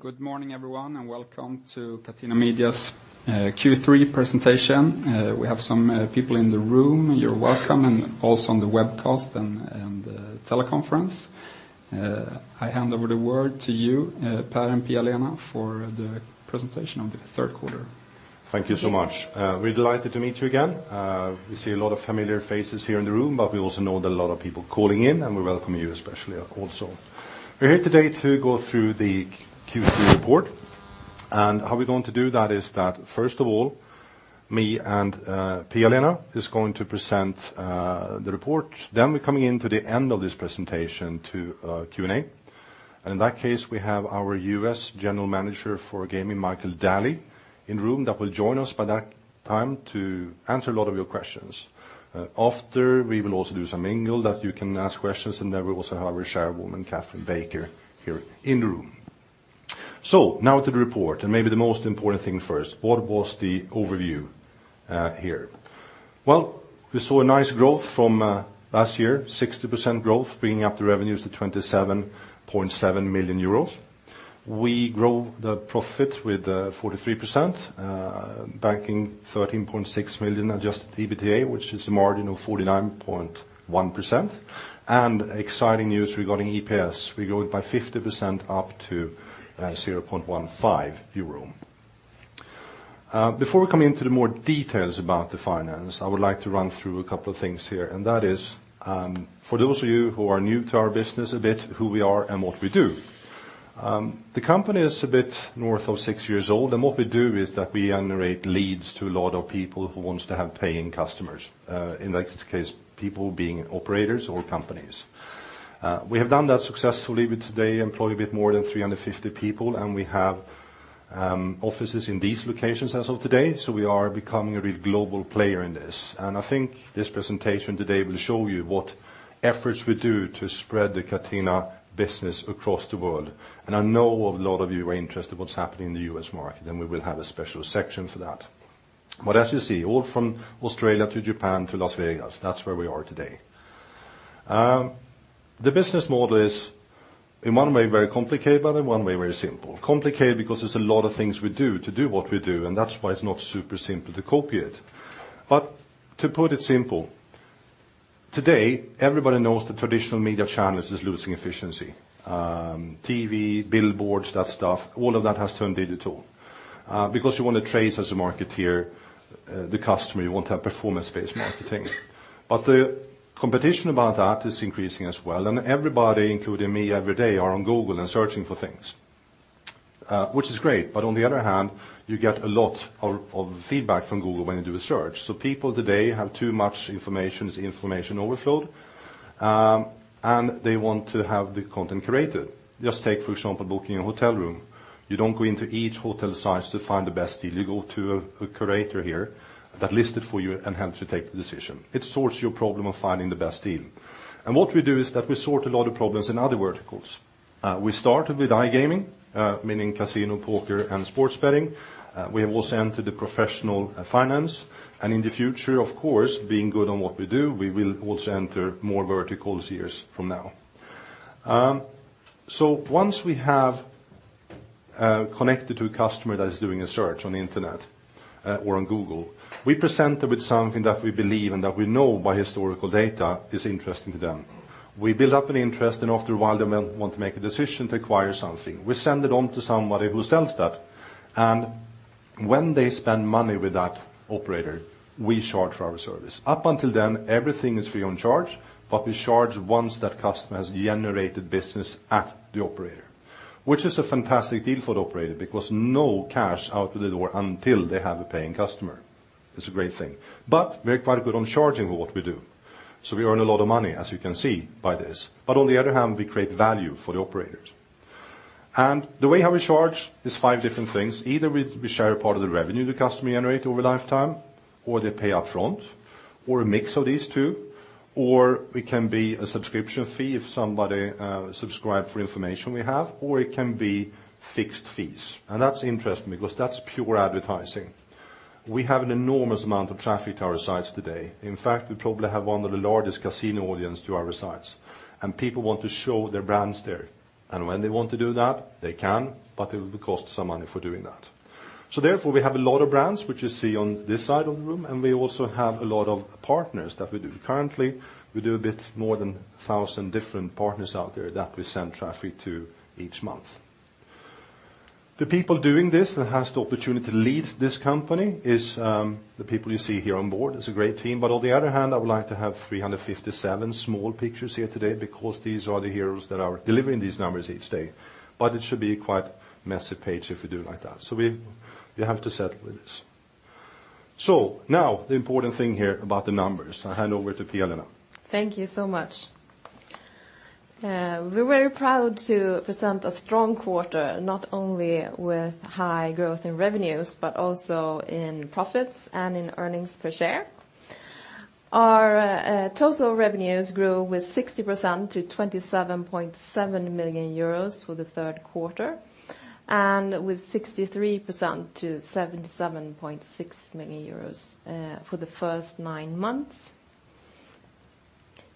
Good morning everyone. Welcome to Catena Media's Q3 presentation. We have some people in the room. You're welcome, and also on the webcast and teleconference. I hand over the word to you, Per and Pia-Lena, for the presentation of the third quarter. Thank you so much. We're delighted to meet you again. We see a lot of familiar faces here in the room, but we also know there are a lot of people calling in, and we welcome you especially also. We're here today to go through the Q3 report, and how we're going to do that is that first of all, me and Pia-Lena is going to present the report. We're coming into the end of this presentation to Q&A. In that case, we have our U.S. general manager for gaming, Michael Daly, in room that will join us by that time to answer a lot of your questions. After, we will also do some mingle that you can ask questions, and then we also have our chairwoman, Kathryn Baker, here in room. Now to the report, and maybe the most important thing first, what was the overview here? Well, we saw a nice growth from last year, 60% growth, bringing up the revenues to 27.7 million euros. We grow the profit with 43%, banking 13.6 million adjusted EBITDA, which is a margin of 49.1%. Exciting news regarding EPS, we're growing by 50% up to 0.15 euro. Before we come into the more details about the finance, I would like to run through a couple of things here, and that is, for those of you who are new to our business a bit, who we are and what we do. The company is a bit north of six years old, and what we do is that we generate leads to a lot of people who wants to have paying customers. In that case, people being operators or companies. We have done that successfully. We today employ a bit more than 350 people, and we have offices in these locations as of today. We are becoming a real global player in this. I think this presentation today will show you what efforts we do to spread the Catena business across the world. I know a lot of you are interested what's happening in the U.S. market, and we will have a special section for that. As you see, all from Australia to Japan to Las Vegas, that's where we are today. The business model is in one way very complicated, but in one way very simple. Complicated because there's a lot of things we do to do what we do, and that's why it's not super simple to copy it. To put it simple, today everybody knows the traditional media channels is losing efficiency. TV, billboards, that stuff, all of that has turned digital. You want to trace as a marketer, the customer, you want to have performance-based marketing. The competition about that is increasing as well. Everybody, including me every day, are on Google and searching for things, which is great. On the other hand, you get a lot of feedback from Google when you do a search. People today have too much information. It's information overflow. They want to have the content curated. Just take, for example, booking a hotel room. You don't go into each hotel site to find the best deal. You go to a curator here that list it for you and helps you take the decision. It sorts your problem of finding the best deal. What we do is that we sort a lot of problems in other verticals. We started with iGaming, meaning casino, poker, and sports betting. We have also entered the professional finance. In the future, of course, being good on what we do, we will also enter more verticals years from now. Once we have connected to a customer that is doing a search on the internet, or on Google, we present them with something that we believe and that we know by historical data is interesting to them. We build up an interest, and after a while, they may want to make a decision to acquire something. We send it on to somebody who sells that. When they spend money with that operator, we charge for our service. Up until then, everything is free of charge, but we charge once that customer has generated business at the operator, which is a fantastic deal for the operator because no cash out the door until they have a paying customer. It's a great thing. We're quite good on charging for what we do. We earn a lot of money, as you can see by this. On the other hand, we create value for the operators. The way how we charge is five different things. Either we share a part of the revenue the customer generate over lifetime, or they pay upfront, or a mix of these two, or it can be a subscription fee if somebody subscribe for information we have, or it can be fixed fees. That's interesting because that's pure advertising. We have an enormous amount of traffic to our sites today. In fact, we probably have one of the largest casino audience to our sites. People want to show their brands there. When they want to do that, they can, but it will cost some money for doing that. Therefore, we have a lot of brands, which you see on this side of the room, and we also have a lot of partners that we do. Currently, we do a bit more than 1,000 different partners out there that we send traffic to each month. The people doing this that has the opportunity to lead this company is the people you see here on board. It's a great team. On the other hand, I would like to have 357 small pictures here today because these are the heroes that are delivering these numbers each day. It should be quite massive page if we do like that. We have to settle with this. Now the important thing here about the numbers. I hand over to Pia-Lena. Thank you so much. We're very proud to present a strong quarter, not only with high growth in revenues, but also in profits and in earnings per share. Our total revenues grew with 60% to 27.7 million euros for the third quarter, and with 63% to 77.6 million euros for the first nine months.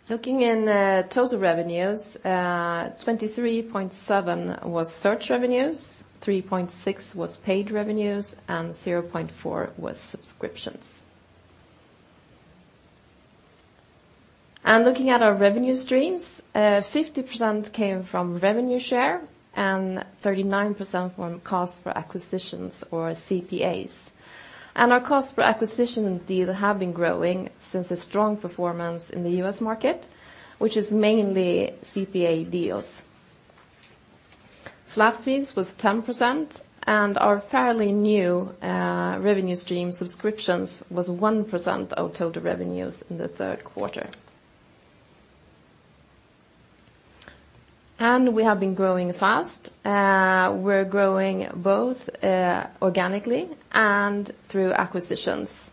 Looking in the total revenues, 23.7 was search revenues, 3.6 was paid revenues, and 0.4 was subscriptions. Looking at our revenue streams, 50% came from revenue share and 39% from cost for acquisitions or CPAs. Our cost for acquisition deals have been growing since a strong performance in the U.S. market, which is mainly CPA deals. Flat fees was 10% and our fairly new revenue stream subscriptions was 1% of total revenues in the third quarter. We have been growing fast. We're growing both organically and through acquisitions.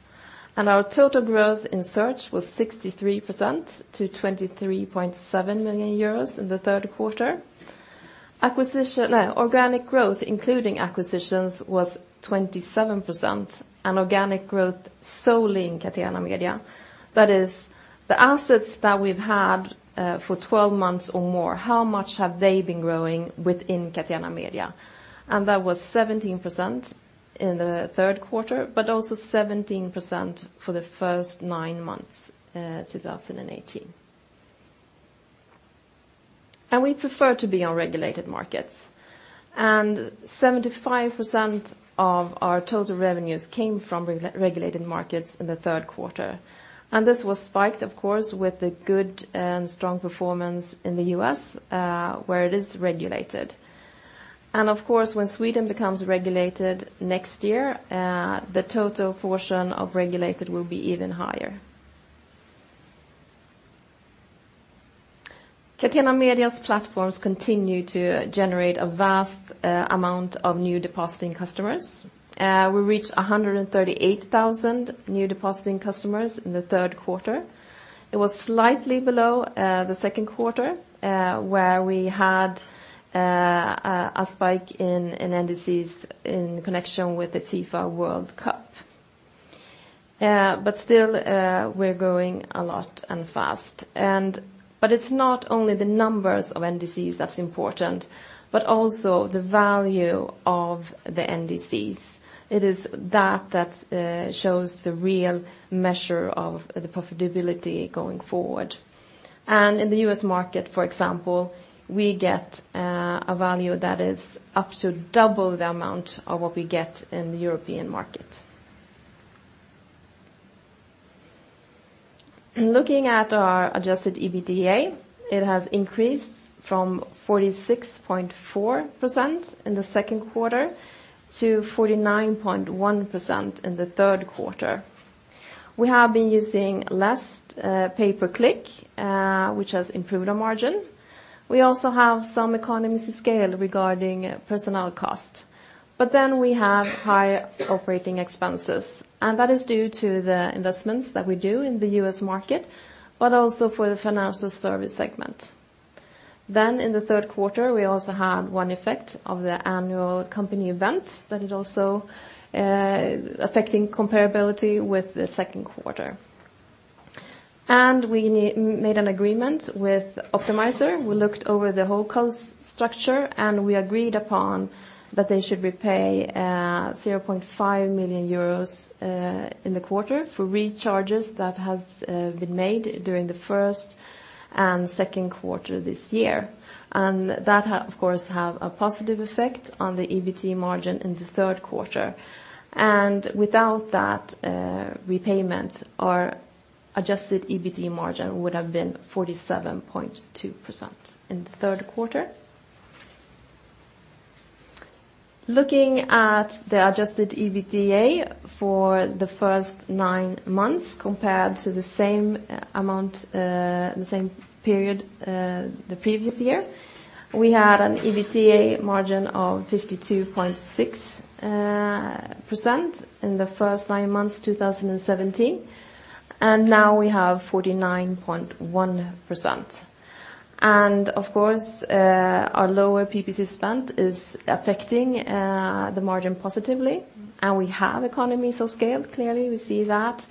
Our total growth in search was 63% to 23.7 million euros in the third quarter. Organic growth, including acquisitions, was 27%, and organic growth solely in Catena Media, that is the assets that we've had for 12 months or more, how much have they been growing within Catena Media? That was 17% in the third quarter, but also 17% for the first nine months 2018. We prefer to be on regulated markets, and 75% of our total revenues came from regulated markets in the third quarter. This was spiked, of course, with the good and strong performance in the U.S., where it is regulated. Of course, when Sweden becomes regulated next year, the total portion of regulated will be even higher. Catena Media's platforms continue to generate a vast amount of new depositing customers. We reached 138,000 new depositing customers in the third quarter. It was slightly below the second quarter, where we had a spike in NDCs in connection with the FIFA World Cup. Still, we're growing a lot and fast. It's not only the numbers of NDCs that's important, but also the value of the NDCs. It is that that shows the real measure of the profitability going forward. In the U.S. market, for example, we get a value that is up to double the amount of what we get in the European market. Looking at our adjusted EBITDA, it has increased from 46.4% in the second quarter to 49.1% in the third quarter. We have been using less pay per click, which has improved our margin. We also have some economies of scale regarding personnel cost. We have higher operating expenses, and that is due to the investments that we do in the U.S. market, but also for the financial services segment. In the third quarter, we also had one effect of the annual company event that is also affecting comparability with the second quarter. We made an agreement with Optimizer. We looked over the whole cost structure and we agreed upon that they should repay 0.5 million euros in the quarter for recharges that has been made during the first and second quarter this year. That, of course, has a positive effect on the EBT margin in the third quarter. Without that repayment, our adjusted EBT margin would have been 47.2% in the third quarter. Looking at the adjusted EBITDA for the first nine months compared to the same amount, the same period the previous year, we had an EBITDA margin of 52.6% in the first nine months 2017, and now we have 49.1%. Of course, our lower PPC spend is affecting the margin positively, and we have economies of scale. Clearly, we see that.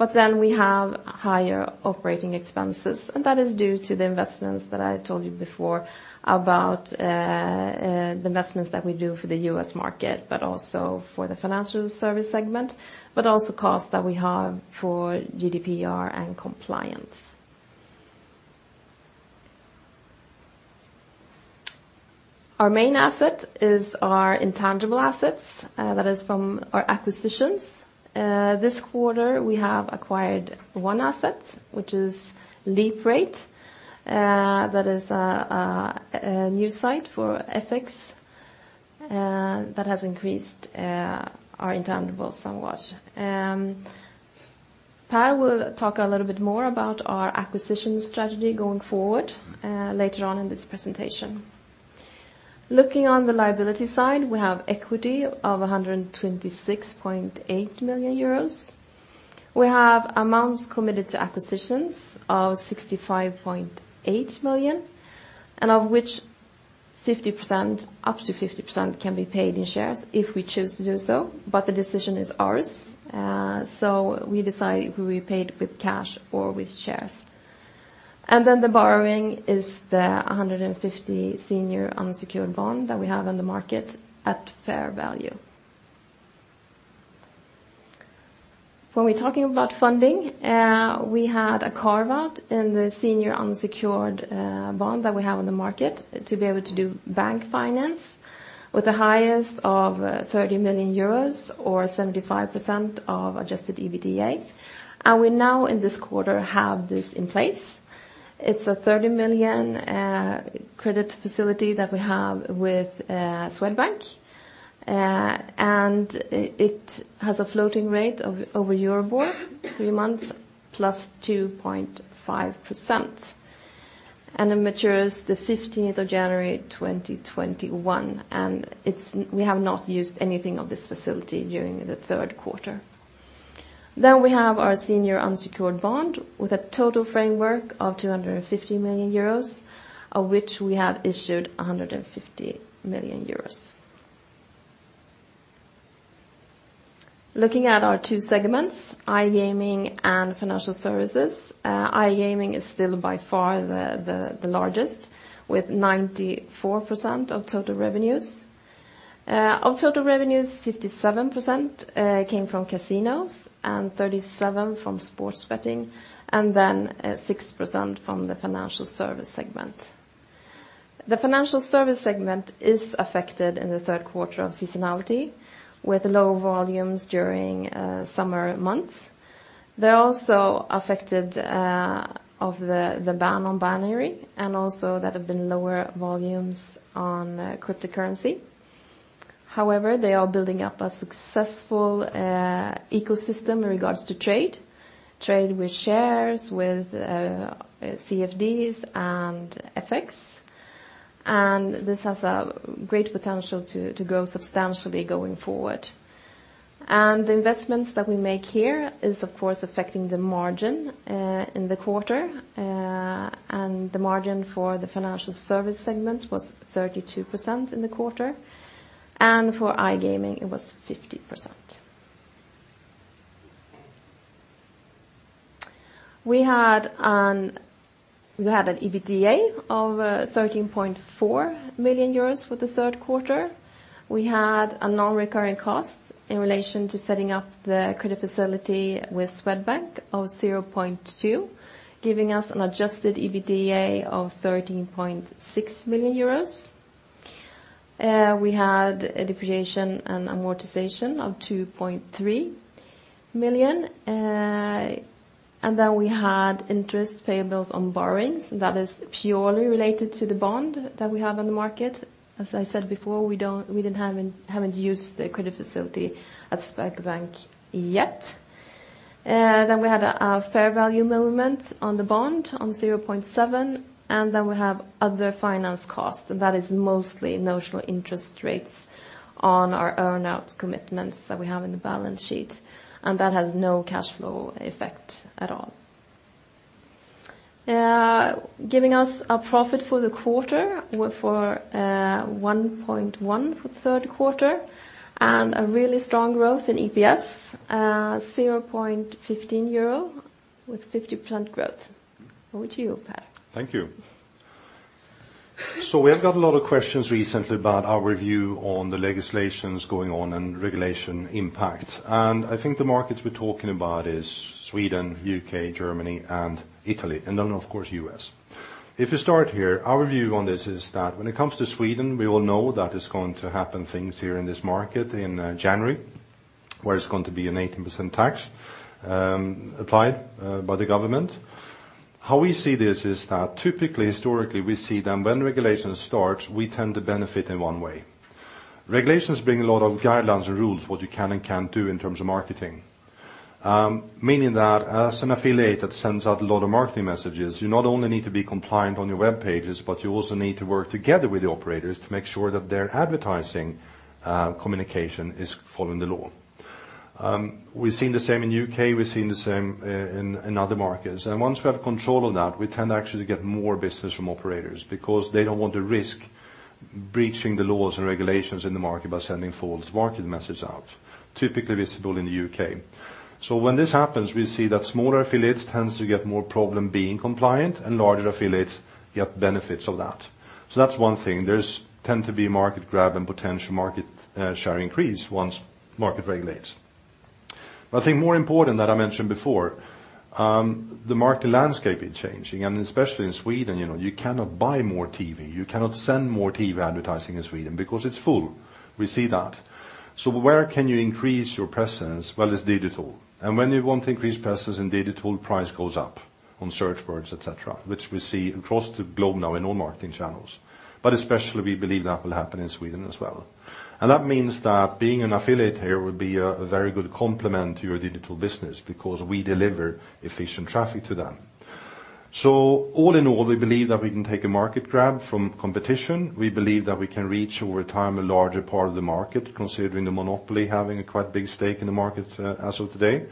We have higher operating expenses, and that is due to the investments that I told you before about the investments that we do for the U.S. market, but also for the financial services segment, but also costs that we have for GDPR and compliance. Our main asset is our intangible assets. That is from our acquisitions. This quarter, we have acquired one asset, which is LeapRate. That is a new site for FX that has increased our intangibles somewhat. Per will talk a little bit more about our acquisition strategy going forward later on in this presentation. Looking on the liability side, we have equity of 126.8 million euros. We have amounts committed to acquisitions of 65.8 million, and of which 50%, up to 50% can be paid in shares if we choose to do so, but the decision is ours. We decide if we'll be paid with cash or with shares. The borrowing is the 150 senior unsecured bond that we have on the market at fair value. When we're talking about funding, we had a carve-out in the senior unsecured bond that we have on the market to be able to do bank finance with the highest of 30 million euros or 75% of adjusted EBITDA. We now in this quarter have this in place. It's a 30 million credit facility that we have with Swedbank, and it has a floating rate of over Euribor three months plus 2.5%. It matures the 15th of January, 2021. We have not used anything of this facility during the third quarter. We have our senior unsecured bond with a total framework of 250 million euros, of which we have issued 150 million euros. Looking at our two segments, iGaming and financial services, iGaming is still by far the largest with 94% of total revenues. Of total revenues, 57% came from casinos and 37% from sports betting, and 6% from the financial services segment. The financial services segment is affected in the third quarter of seasonality with low volumes during summer months. They're also affected of the ban on binary and also that have been lower volumes on cryptocurrency. However, they are building up a successful ecosystem in regards to trade with shares, with CFDs and FX. This has a great potential to grow substantially going forward. The investments that we make here is of course affecting the margin in the quarter. The margin for the financial service segment was 32% in the quarter. For iGaming it was 50%. We had an EBITDA of 13.4 million euros for the third quarter. We had a non-recurring cost in relation to setting up the credit facility with Swedbank of 0.2 million, giving us an adjusted EBITDA of 13.6 million euros. We had a depreciation and amortization of 2.3 million, then we had interest payables on borrowings that is purely related to the bond that we have on the market. As I said before, we haven't used the credit facility at Swedbank yet. We had a fair value movement on the bond on 0.7 million, we have other finance costs. That is mostly notional interest rates on our earn-out commitments that we have in the balance sheet, that has no cash flow effect at all. Giving us a profit for the quarter for 1.1 million for the third quarter and a really strong growth in EPS, 0.15 euro with 50% growth. Over to you, Per. Thank you. We have got a lot of questions recently about our view on the legislations going on and regulation impact. I think the markets we're talking about is Sweden, the U.K., Germany, and Italy, then of course the U.S. If we start here, our view on this is that when it comes to Sweden, we all know that it's going to happen things here in this market in January, where it's going to be an 18% tax applied by the government. How we see this is that typically historically, we see that when regulations start, we tend to benefit in one way. Regulations bring a lot of guidelines and rules, what you can and can't do in terms of marketing. Meaning that as an affiliate that sends out a lot of marketing messages, you not only need to be compliant on your webpages, but you also need to work together with the operators to make sure that their advertising communication is following the law. We've seen the same in the U.K., we've seen the same in other markets. Once we have control of that, we tend to actually get more business from operators because they don't want to risk breaching the laws and regulations in the market by sending false market message out. Typically visible in the U.K. When this happens, we see that smaller affiliates tends to get more problem being compliant and larger affiliates get benefits of that. That's one thing. There's tend to be market grab and potential market share increase once market regulates. I think more important that I mentioned before, the market landscape is changing and especially in Sweden, you cannot buy more TV, you cannot send more TV advertising in Sweden because it is full. We see that. Where can you increase your presence? Well, it is digital. When you want to increase presence in digital, price goes up on search words, et cetera, which we see across the globe now in all marketing channels. Especially we believe that will happen in Sweden as well. That means that being an affiliate here would be a very good complement to your digital business because we deliver efficient traffic to them. All in all, we believe that we can take a market grab from competition. We believe that we can reach over time a larger part of the market considering the monopoly having a quite big stake in the market as of today.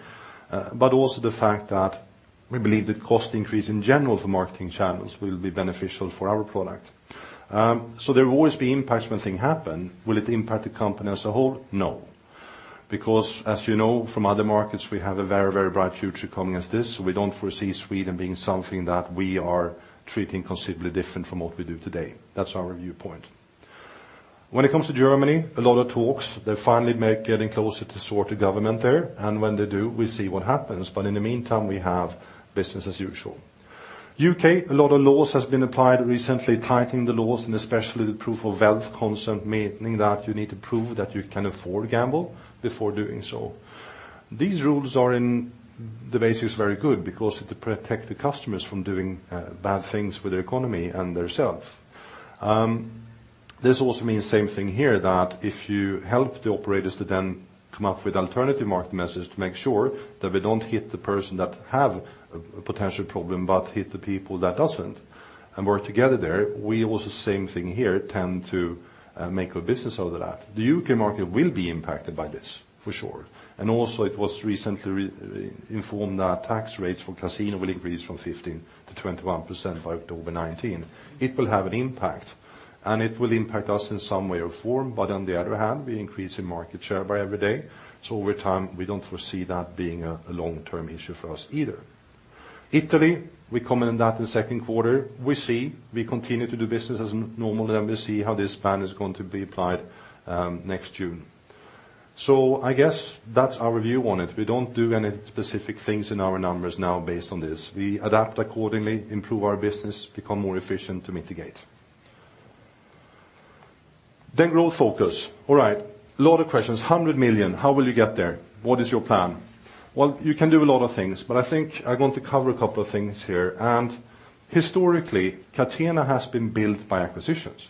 Also the fact that we believe the cost increase in general for marketing channels will be beneficial for our product. There will always be impacts when things happen. Will it impact the company as a whole? No, because as you know from other markets, we have a very bright future coming as this. We do not foresee Sweden being something that we are treating considerably different from what we do today. That is our viewpoint. When it comes to Germany, a lot of talks. They finally make getting closer to sort a government there, and when they do, we see what happens. In the meantime, we have business as usual. U.K., a lot of laws have been applied recently, tightening the laws and especially the proof of wealth consent, meaning that you need to prove that you can afford to gamble before doing so. These rules are in the basics very good because it protects the customers from doing bad things for their economy and themselves. This also means same thing here, that if you help the operators to then come up with alternative market message to make sure that we do not hit the person that have a potential problem but hit the people that does not, and work together there. We also same thing here, tend to make a business out of that. The U.K. market will be impacted by this for sure, and also it was recently informed that tax rates for casino will increase from 15%-21% by October 19. It will have an impact, and it will impact us in some way or form. On the other hand, we are increasing market share by every day. Over time, we do not foresee that being a long-term issue for us either. Italy, we commented that in the second quarter. We see, we continue to do business as normal, we see how this ban is going to be applied next June. I guess that is our view on it. We do not do any specific things in our numbers now based on this. We adapt accordingly, improve our business, become more efficient to mitigate. Growth focus. All right. Lot of questions. 100 million. How will you get there? What is your plan? Well, you can do a lot of things, but I think I want to cover a couple of things here. Historically, Catena has been built by acquisitions.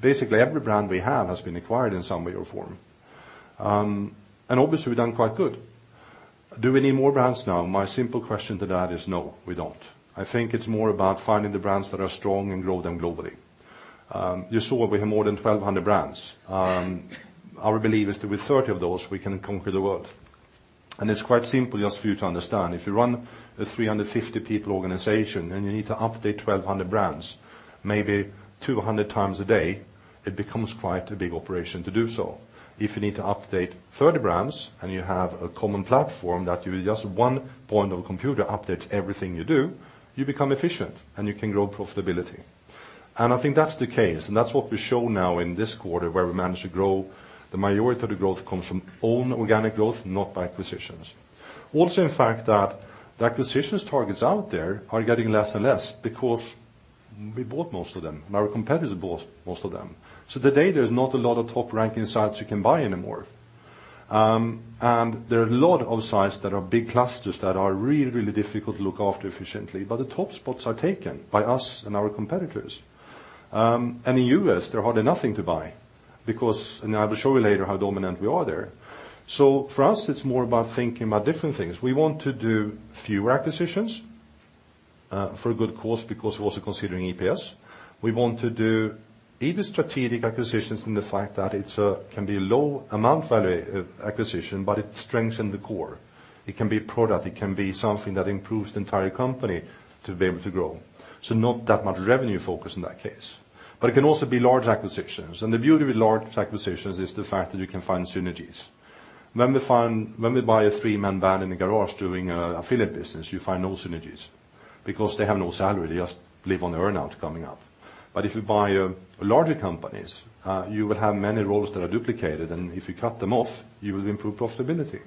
Basically, every brand we have has been acquired in some way or form. Obviously, we've done quite good. Do we need more brands now? My simple question to that is no, we don't. I think it's more about finding the brands that are strong and grow them globally. You saw we have more than 1,200 brands. Our belief is that with 30 of those, we can conquer the world. It's quite simple just for you to understand. If you run a 350 people organization and you need to update 1,200 brands, maybe 200 times a day, it becomes quite a big operation to do so. If you need to update 30 brands and you have a common platform that with just one point of a computer updates everything you do, you become efficient and you can grow profitability. I think that's the case, and that's what we show now in this quarter where we managed to grow. The majority of the growth comes from own organic growth, not by acquisitions. Also, in fact, that the acquisition targets out there are getting less and less because we bought most of them, and our competitors have bought most of them. Today there's not a lot of top-ranking sites you can buy anymore. There are a lot of sites that are big clusters that are really difficult to look after efficiently. The top spots are taken by us and our competitors. In U.S., there are hardly nothing to buy because I will show you later how dominant we are there. For us, it's more about thinking about different things. We want to do fewer acquisitions, for a good cause, because we're also considering EPS. We want to do either strategic acquisitions in the fact that it can be a low amount value acquisition, but it strengthen the core. It can be a product, it can be something that improves the entire company to be able to grow. Not that much revenue focus in that case. It can also be large acquisitions, and the beauty with large acquisitions is the fact that you can find synergies. When we buy a three-man band in a garage doing an affiliate business, you find no synergies because they have no salary, they just live on the earn-out coming up. If you buy larger companies, you will have many roles that are duplicated, and if you cut them off, you will improve profitability.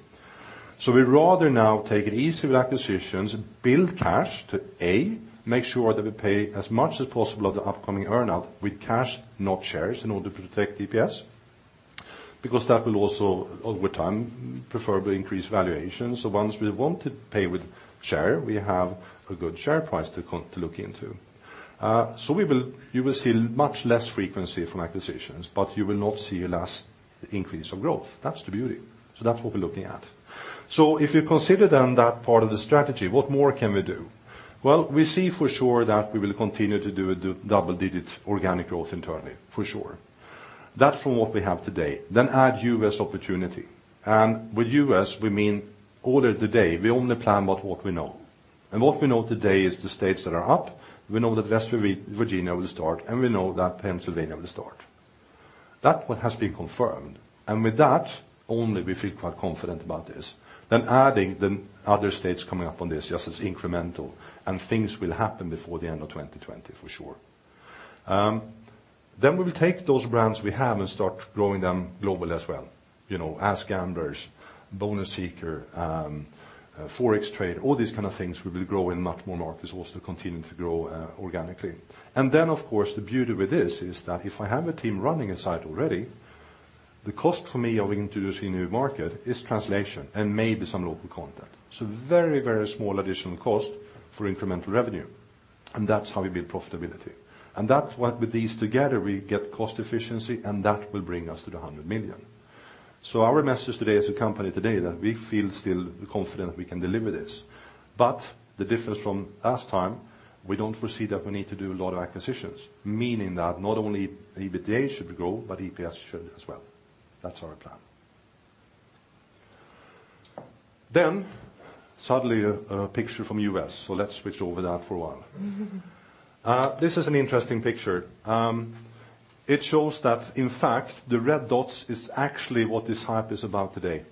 We'd rather now take it easy with acquisitions, build cash to, A, make sure that we pay as much as possible of the upcoming earn-out with cash, not shares, in order to protect EPS. That will also, over time, preferably increase valuations. Once we want to pay with share, we have a good share price to look into. You will see much less frequency from acquisitions, but you will not see less increase of growth. That's the beauty. That's what we're looking at. If you consider then that part of the strategy, what more can we do? Well, we see for sure that we will continue to do double-digit organic growth internally, for sure. That's from what we have today. Add U.S. opportunity. With U.S., we mean order of the day. We only plan what we know. What we know today is the states that are up. We know that West Virginia will start, and we know that Pennsylvania will start. That one has been confirmed. With that, only we feel quite confident about this. Adding the other states coming up on this just as incremental, and things will happen before the end of 2020 for sure. We will take those brands we have and start growing them global as well. AskGamblers, bonusseeker.com, forextraders.com, all these kind of things will be growing much more markets, also continuing to grow organically. Of course, the beauty with this is that if I have a team running a site already, the cost for me of introducing a new market is translation and maybe some local content. Very small additional cost for incremental revenue. That's how we build profitability. That's what, with these together, we get cost efficiency, and that will bring us to 100 million. Our message today as a company today, that we feel still confident we can deliver this. The difference from last time, we don't foresee that we need to do a lot of acquisitions. Meaning that not only EBITDA should grow, but EPS should as well. That's our plan. Suddenly, a picture from U.S. Let's switch over that for a while. This is an interesting picture. It shows that, in fact, the red dots is actually what this hype is about today.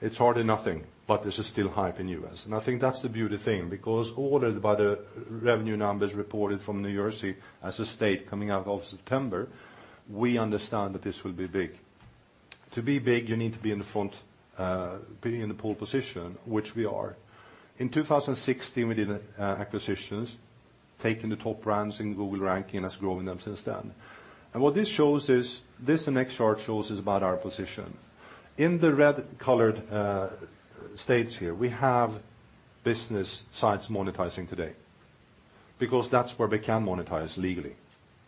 It's hardly nothing, but this is still hype in U.S. I think that's the beauty thing, because ordered by the revenue numbers reported from New Jersey as a state coming out of September, we understand that this will be big. To be big, you need to be in the front, be in the pole position, which we are. In 2016, we did acquisitions, taking the top brands in Google ranking that's growing them since then. What this shows is, this next chart shows is about our position. In the red colored states here, we have business sites monetizing today, because that's where we can monetize legally,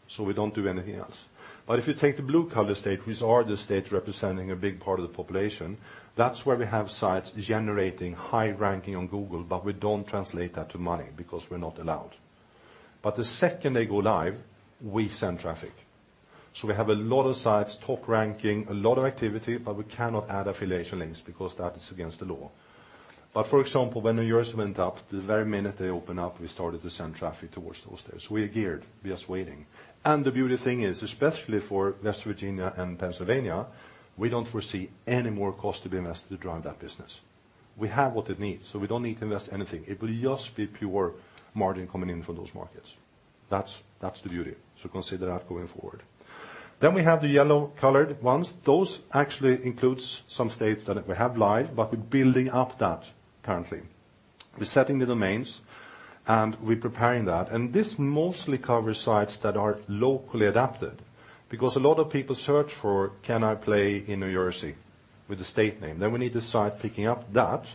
so we don't do anything else. If you take the blue color state, which are the states representing a big part of the population, that's where we have sites generating high ranking on Google, but we don't translate that to money because we're not allowed. The second they go live, we send traffic. We have a lot of sites top ranking, a lot of activity, but we cannot add affiliation links because that is against the law. For example, when New Jersey went up, the very minute they opened up, we started to send traffic towards those states. We are geared, we are waiting. The beauty thing is, especially for West Virginia and Pennsylvania, we don't foresee any more cost to be invested to drive that business. We have what it needs, so we don't need to invest anything. It will just be pure margin coming in from those markets. That's the beauty. Consider that going forward. We have the yellow colored ones. Those actually includes some states that we have live, but we're building up that currently. We're setting the domains, and we're preparing that, and this mostly covers sites that are locally adapted, because a lot of people search for, can I play in New Jersey, with the state name. We need to start picking up that.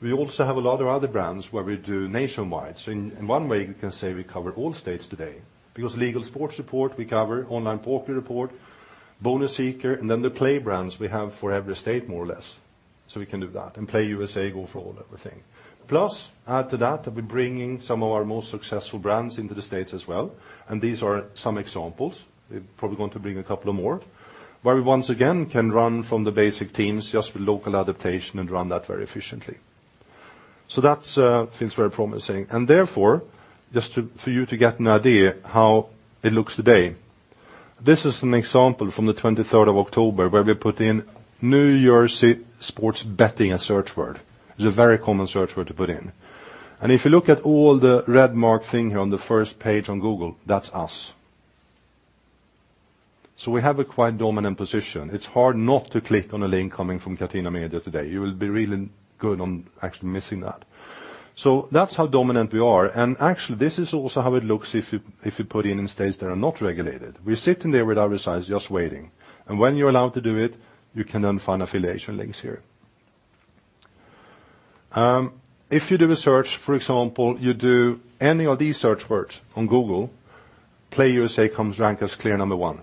We also have a lot of other brands where we do nationwide. In one way, we can say we cover all states today, because Legal Sports Report, we cover, Online Poker Report, Bonus Seeker, and then the play brands we have for every state, more or less. We can do that, and PlayUSA go for all everything. Plus, add to that, we're bringing some of our most successful brands into the States as well, and these are some examples. We're probably going to bring a couple of more, where we once again can run from the basic teams, just with local adaptation, and run that very efficiently. That seems very promising. Therefore, just for you to get an idea how it looks today, this is an example from the 23rd of October where we put in New Jersey sports betting, a search word. It's a very common search word to put in. If you look at all the red marked thing here on the first page on Google, that's us. We have a quite dominant position. It's hard not to click on a link coming from Catena Media today. You will be really good on actually missing that. That's how dominant we are. Actually, this is also how it looks if you put in in states that are not regulated. We're sitting there with our sites just waiting. When you're allowed to do it, you can then find affiliation links here. If you do a search, for example, you do any of these search words on Google, PlayUSA comes ranked as clear number one.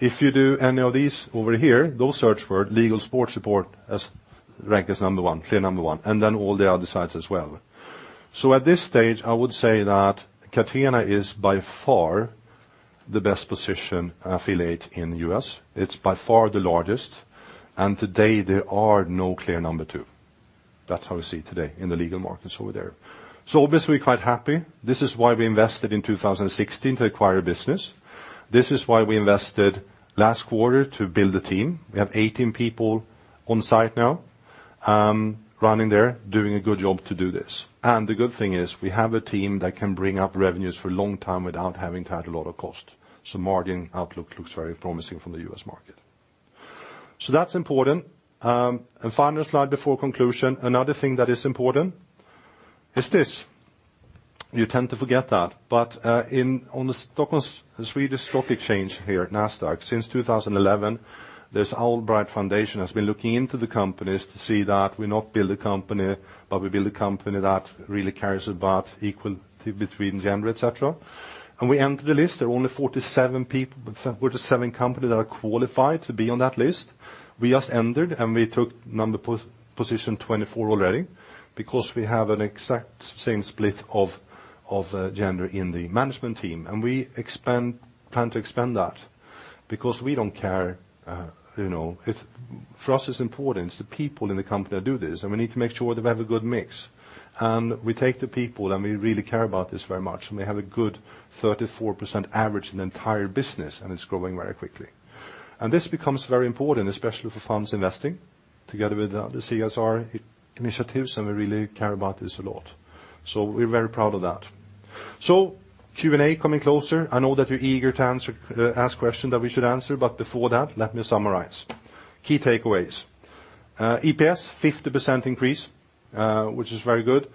If you do any of these over here, those search word, Legal Sports Report, ranks as number one, clear number one, and then all the other sites as well. At this stage, I would say that Catena is by far the best positioned affiliate in the U.S. It's by far the largest, and today there are no clear number two. That's how we see today in the legal markets over there. Obviously quite happy. This is why we invested in 2016 to acquire business. This is why we invested last quarter to build a team. We have 18 people on site now, running there, doing a good job to do this. The good thing is we have a team that can bring up revenues for a long time without having to add a lot of cost. Margin outlook looks very promising from the U.S. market. That's important. Final slide before conclusion, another thing that is important is this. You tend to forget that, but on the Swedish stock exchange here at Nasdaq, since 2011, this AllBright Foundation has been looking into the companies to see that we not build a company, but we build a company that really cares about equality between gender, et cetera. We entered the list. There are only 47 companies that are qualified to be on that list. We just entered, and we took position 24 already, because we have an exact same split of gender in the management team. We plan to expand that, because we don't care. For us, it's important the people in the company that do this, and we need to make sure that we have a good mix. We take the people, we really care about this very much, we have a good 34% average in the entire business, it's growing very quickly. This becomes very important, especially for firms investing together with the CSR initiatives, we really care about this a lot. We are very proud of that. Q&A coming closer. I know that you are eager to ask questions that we should answer, before that, let me summarize. Key takeaways. EPS, 50% increase, which is very good.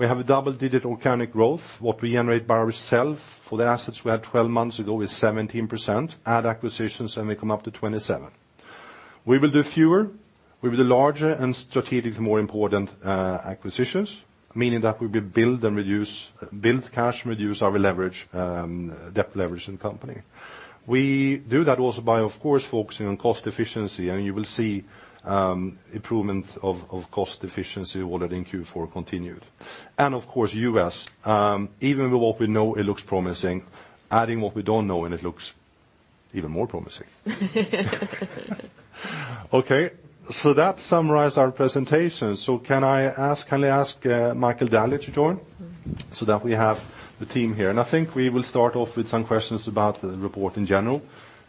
We have a double-digit organic growth. What we generate by ourself for the assets we had 12 months ago is 17%. Add acquisitions, we come up to 27. We will do fewer. We will do larger and strategically more important acquisitions, meaning that we build cash, reduce our leverage, debt leverage in the company. We do that also by, of course, focusing on cost efficiency, you will see improvement of cost efficiency all that in Q4 continued. Of course, U.S., even with what we know, it looks promising. Adding what we don't know, it looks even more promising. Okay, that summarizes our presentation. Can I ask Michael Daly to join so that we have the team here? I think we will start off with some questions about the report in general,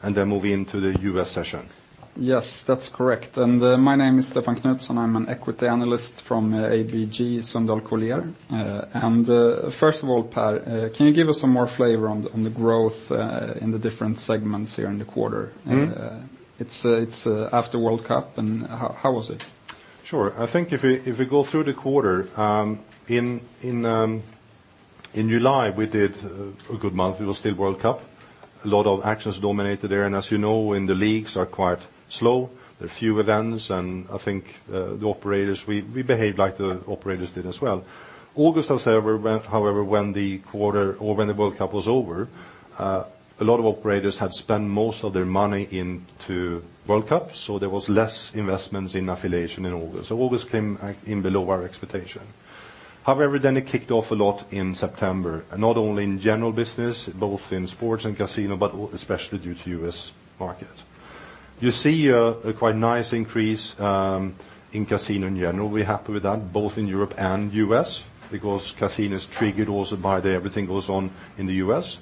then move into the U.S. session. Yes, that's correct. My name is Stefan Knutsson. I am an equity analyst from ABG Sundal Collier. First of all, Per, can you give us some more flavor on the growth in the different segments here in the quarter? It's after World Cup. How was it? Sure. I think if we go through the quarter, in July, we did a good month. It was still World Cup. A lot of actions dominated there, as you know, when the leagues are quite slow, there are fewer events, and I think we behaved like the operators did as well. August, however, when the World Cup was over, a lot of operators had spent most of their money into World Cup, so there was less investments in affiliation in August. August came in below our expectation. Then it kicked off a lot in September, not only in general business, both in sports and casino, but especially due to U.S. market. You see a quite nice increase in casino in general. We're happy with that, both in Europe and U.S., because casino is triggered also by everything goes on in the U.S.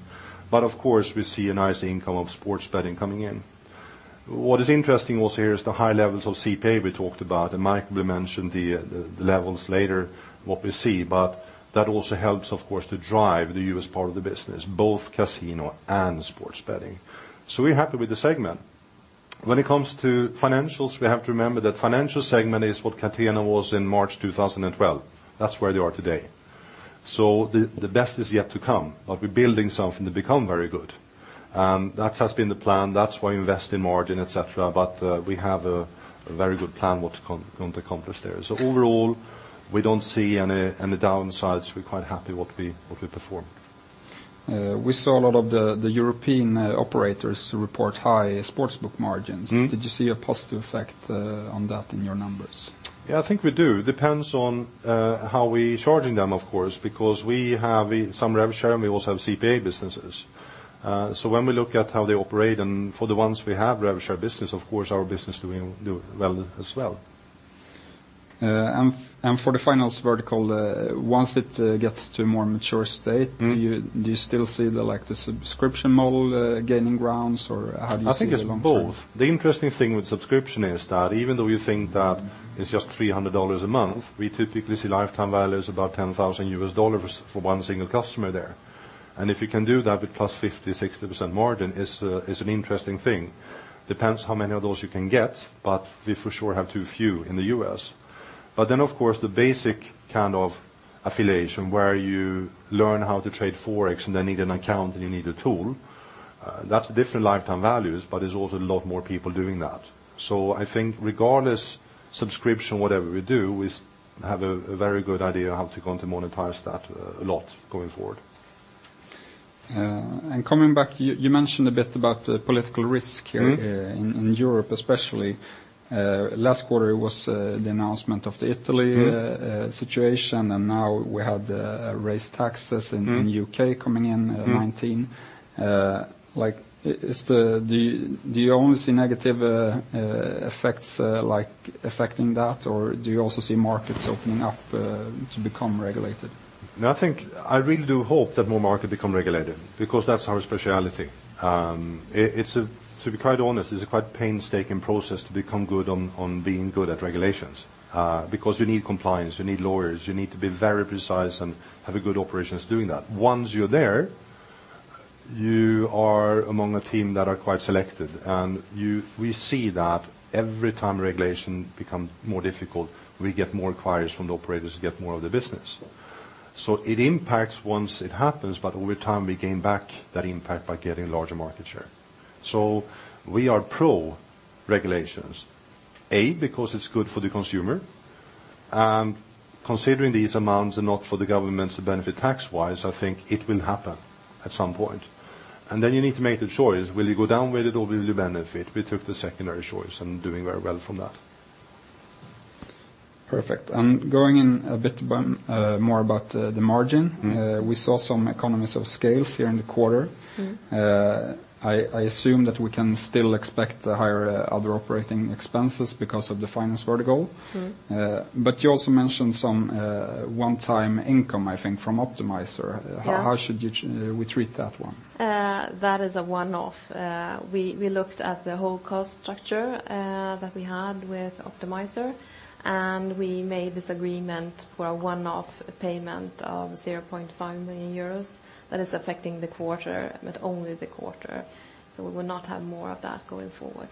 Of course, we see a nice income of sports betting coming in. What is interesting also here is the high levels of CPA we talked about, and Michael will mention the levels later, what we see. That also helps, of course, to drive the U.S. part of the business, both casino and sports betting. We're happy with the segment. When it comes to financials, we have to remember that financial segment is what Catena was in March 2012. That's where they are today. The best is yet to come. We're building something to become very good. That has been the plan. That's why we invest in margin, et cetera. We have a very good plan what we're going to accomplish there. Overall, we don't see any downsides. We're quite happy what we performed. We saw a lot of the European operators report high sportsbook margins. Did you see a positive effect on that in your numbers? Yeah, I think we do. Depends on how we're charging them, of course, because we have some revenue share, and we also have CPA businesses. When we look at how they operate, for the ones we have revenue share business, of course our business doing well as well. For the financials vertical, once it gets to a more mature state- Do you still see the subscription model gaining grounds or how do you see it long term? I think it's both. The interesting thing with subscription is that even though you think that it's just $300 a month, we typically see lifetime value is about $10,000 U.S. for one single customer there. If you can do that with +50%, 60% margin, it's an interesting thing. Depends how many of those you can get, we for sure have too few in the U.S. Of course, the basic kind of affiliation where you learn how to trade forex, then need an account, and you need a tool, that's a different lifetime values, there's also a lot more people doing that. I think regardless, subscription, whatever we do, we have a very good idea how we're going to monetize that a lot going forward. Coming back, you mentioned a bit about political risk here. In Europe, especially. Last quarter was the announcement of the Italy situation. Now we have the raised taxes in the U.K. coming in 2019. Do you only see negative effects affecting that, or do you also see markets opening up to become regulated? No. I really do hope that more markets become regulated because that's our specialty. To be quite honest, it's a quite painstaking process to become good on being good at regulations. Because you need compliance, you need lawyers, you need to be very precise and have a good operations doing that. Once you're there, you are among a team that are quite selected, and we see that every time regulation becomes more difficult, we get more inquiries from the operators to get more of the business. It impacts once it happens, but over time, we gain back that impact by getting larger market share. We are pro regulations, A, because it's good for the consumer, and considering these amounts are not for the governments to benefit tax-wise, I think it will happen at some point. You need to make the choice, will you go down with it or will you benefit? We took the secondary choice and doing very well from that. Perfect. Going in a bit more about the margin. We saw some economies of scale here in the quarter. I assume that we can still expect higher other operating expenses because of the finals vertical. You also mentioned some one-time income, I think, from Optimizer. Yeah. How should we treat that one? That is a one-off. We looked at the whole cost structure that we had with Optimizer, and we made this agreement for a one-off payment of 0.5 million euros. That is affecting the quarter, but only the quarter. We will not have more of that going forward.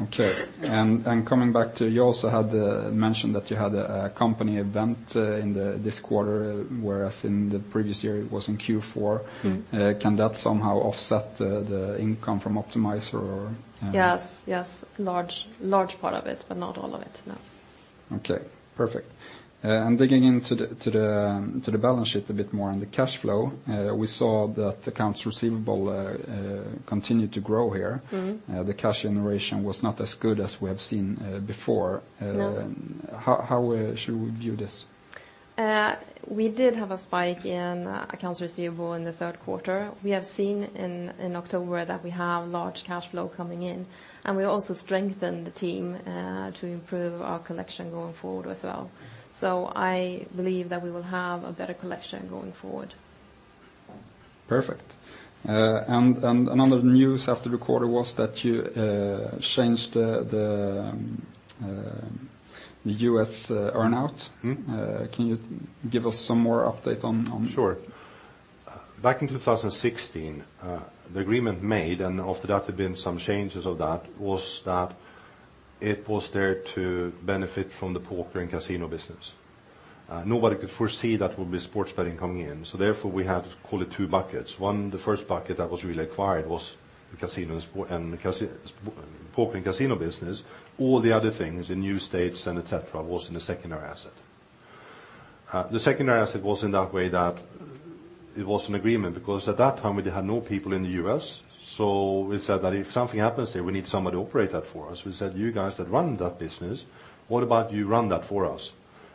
Okay. Coming back to, you also had mentioned that you had a company event in this quarter, whereas in the previous year it was in Q4. Can that somehow offset the income from Optimizer or? Yes. Large part of it, but not all of it, no. Okay, perfect. Digging into the balance sheet a bit more on the cash flow, we saw that accounts receivable continued to grow here. The cash generation was not as good as we have seen before. No. How should we view this? We did have a spike in accounts receivable in the third quarter. We have seen in October that we have large cash flow coming in, and we also strengthened the team to improve our collection going forward as well. I believe that we will have a better collection going forward. Perfect. Another news after the quarter was that you changed the U.S. earn-out. Can you give us some more update on that? Sure. Back in 2016, the agreement made, and after that there's been some changes of that, was that it was there to benefit from the poker and casino business. Nobody could foresee that there would be sports betting coming in, so therefore we had to call it two buckets. One, the first bucket that was really acquired was the poker and casino business. All the other things in new states, et cetera, was in the secondary asset. The secondary asset was in that way that it was an agreement because at that time we had no people in the U.S., so we said that if something happens there, we need somebody to operate that for us. We said, "You guys that run that business, what about you run that for us?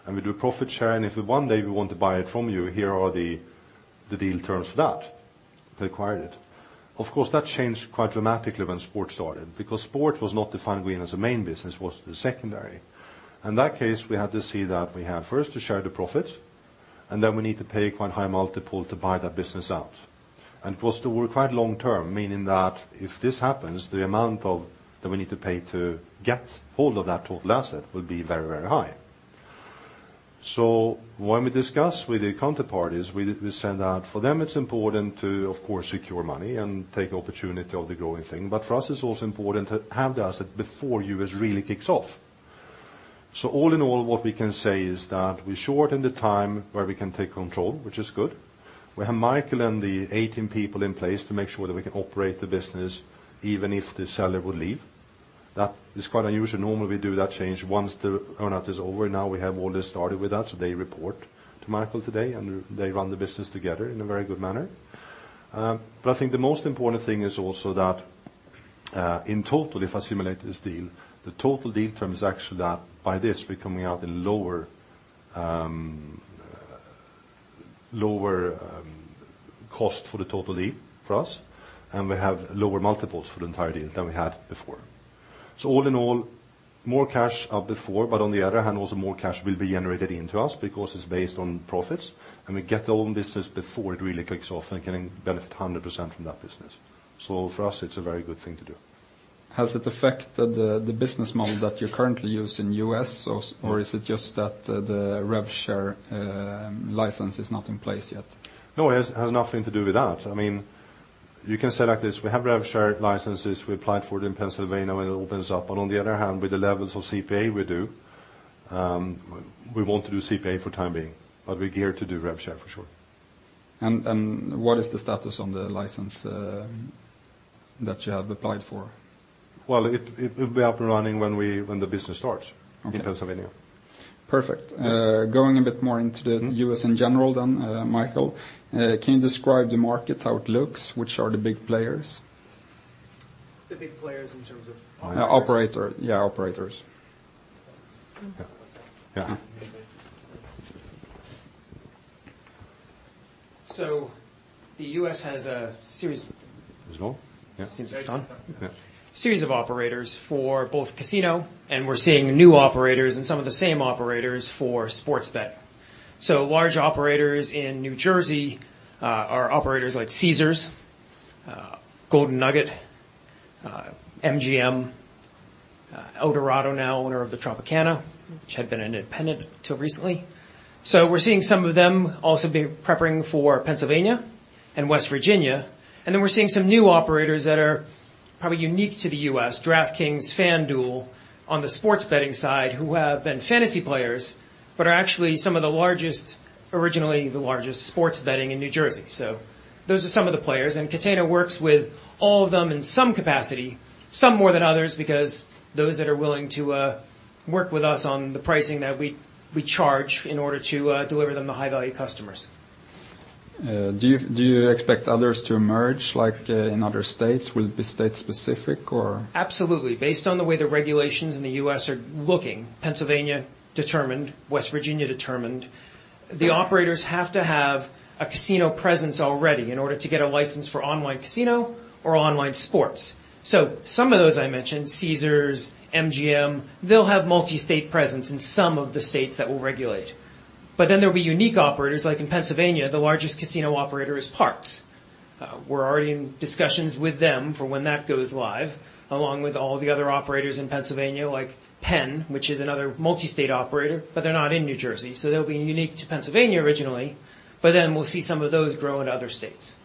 We do a profit share, and if one day we want to buy it from you, here are the deal terms for that." We acquired it. Of course, that changed quite dramatically when sport started because sport was not defined going as a main business, it was the secondary. In that case, we had to see that we have first to share the profit, and then we need to pay quite a high multiple to buy that business out. It was still required long term, meaning that if this happens, the amount that we need to pay to get hold of that whole asset would be very, very high. When we discuss with the counterparties, we send out, for them it's important to, of course, secure money and take opportunity of the growing thing. For us, it's also important to have the asset before U.S. really kicks off. All in all, what we can say is that we shortened the time where we can take control, which is good. We have Michael and the 18 people in place to make sure that we can operate the business, even if the seller would leave. That is quite unusual. Normally, we do that change once the earn-out is over. Now we have all this started with us. They report to Michael today, and they run the business together in a very good manner. I think the most important thing is also that in total, if I simulate this deal, the total deal terms actually are by this, we're coming out in lower cost for the total deal for us, and we have lower multiples for the entire deal than we had before. All in all, more cash up before, on the other hand, also more cash will be generated into us because it's based on profits, we get the whole business before it really kicks off and can benefit 100% from that business. For us, it's a very good thing to do. Has it affected the business model that you currently use in U.S., or is it just that the rev share license is not in place yet? No, it has nothing to do with that. You can say it like this: we have rev share licenses. We applied for it in Pennsylvania when it opens up. On the other hand, with the levels of CPA we do, we want to do CPA for the time being. We're geared to do rev share for sure. What is the status on the license that you have applied for? Well, it will be up and running when the business starts- Okay in Pennsylvania. Perfect. Going a bit more into the U.S. in general then, Michael, can you describe the market outlooks? Which are the big players? The big players in terms of operators? Yeah, operators. Yeah. The U.S. has a series. Is it on? Yeah. It seems it's on. Yeah. Series of operators for both casino, we're seeing new operators and some of the same operators for sports bet. Large operators in New Jersey are operators like Caesars, Golden Nugget, MGM, Eldorado now, owner of the Tropicana, which had been independent till recently. We're seeing some of them also be preparing for Pennsylvania and West Virginia. We're seeing some new operators that are probably unique to the U.S., DraftKings, FanDuel, on the sports betting side, who have been fantasy players, but are actually some of the largest, originally the largest sports betting in New Jersey. Those are some of the players, and Catena works with all of them in some capacity, some more than others because those that are willing to work with us on the pricing that we charge in order to deliver them the high-value customers. Do you expect others to emerge, like in other states? Will it be state specific or? Absolutely. Based on the way the regulations in the U.S. are looking, Pennsylvania determined, West Virginia determined, the operators have to have a casino presence already in order to get a license for online casino or online sports. Some of those I mentioned, Caesars, MGM, they'll have multi-state presence in some of the states that will regulate. There will be unique operators, like in Pennsylvania, the largest casino operator is Parx. We're already in discussions with them for when that goes live, along with all the other operators in Pennsylvania like Penn, which is another multi-state operator, but they're not in New Jersey. They'll be unique to Pennsylvania originally, we'll see some of those grow in other states.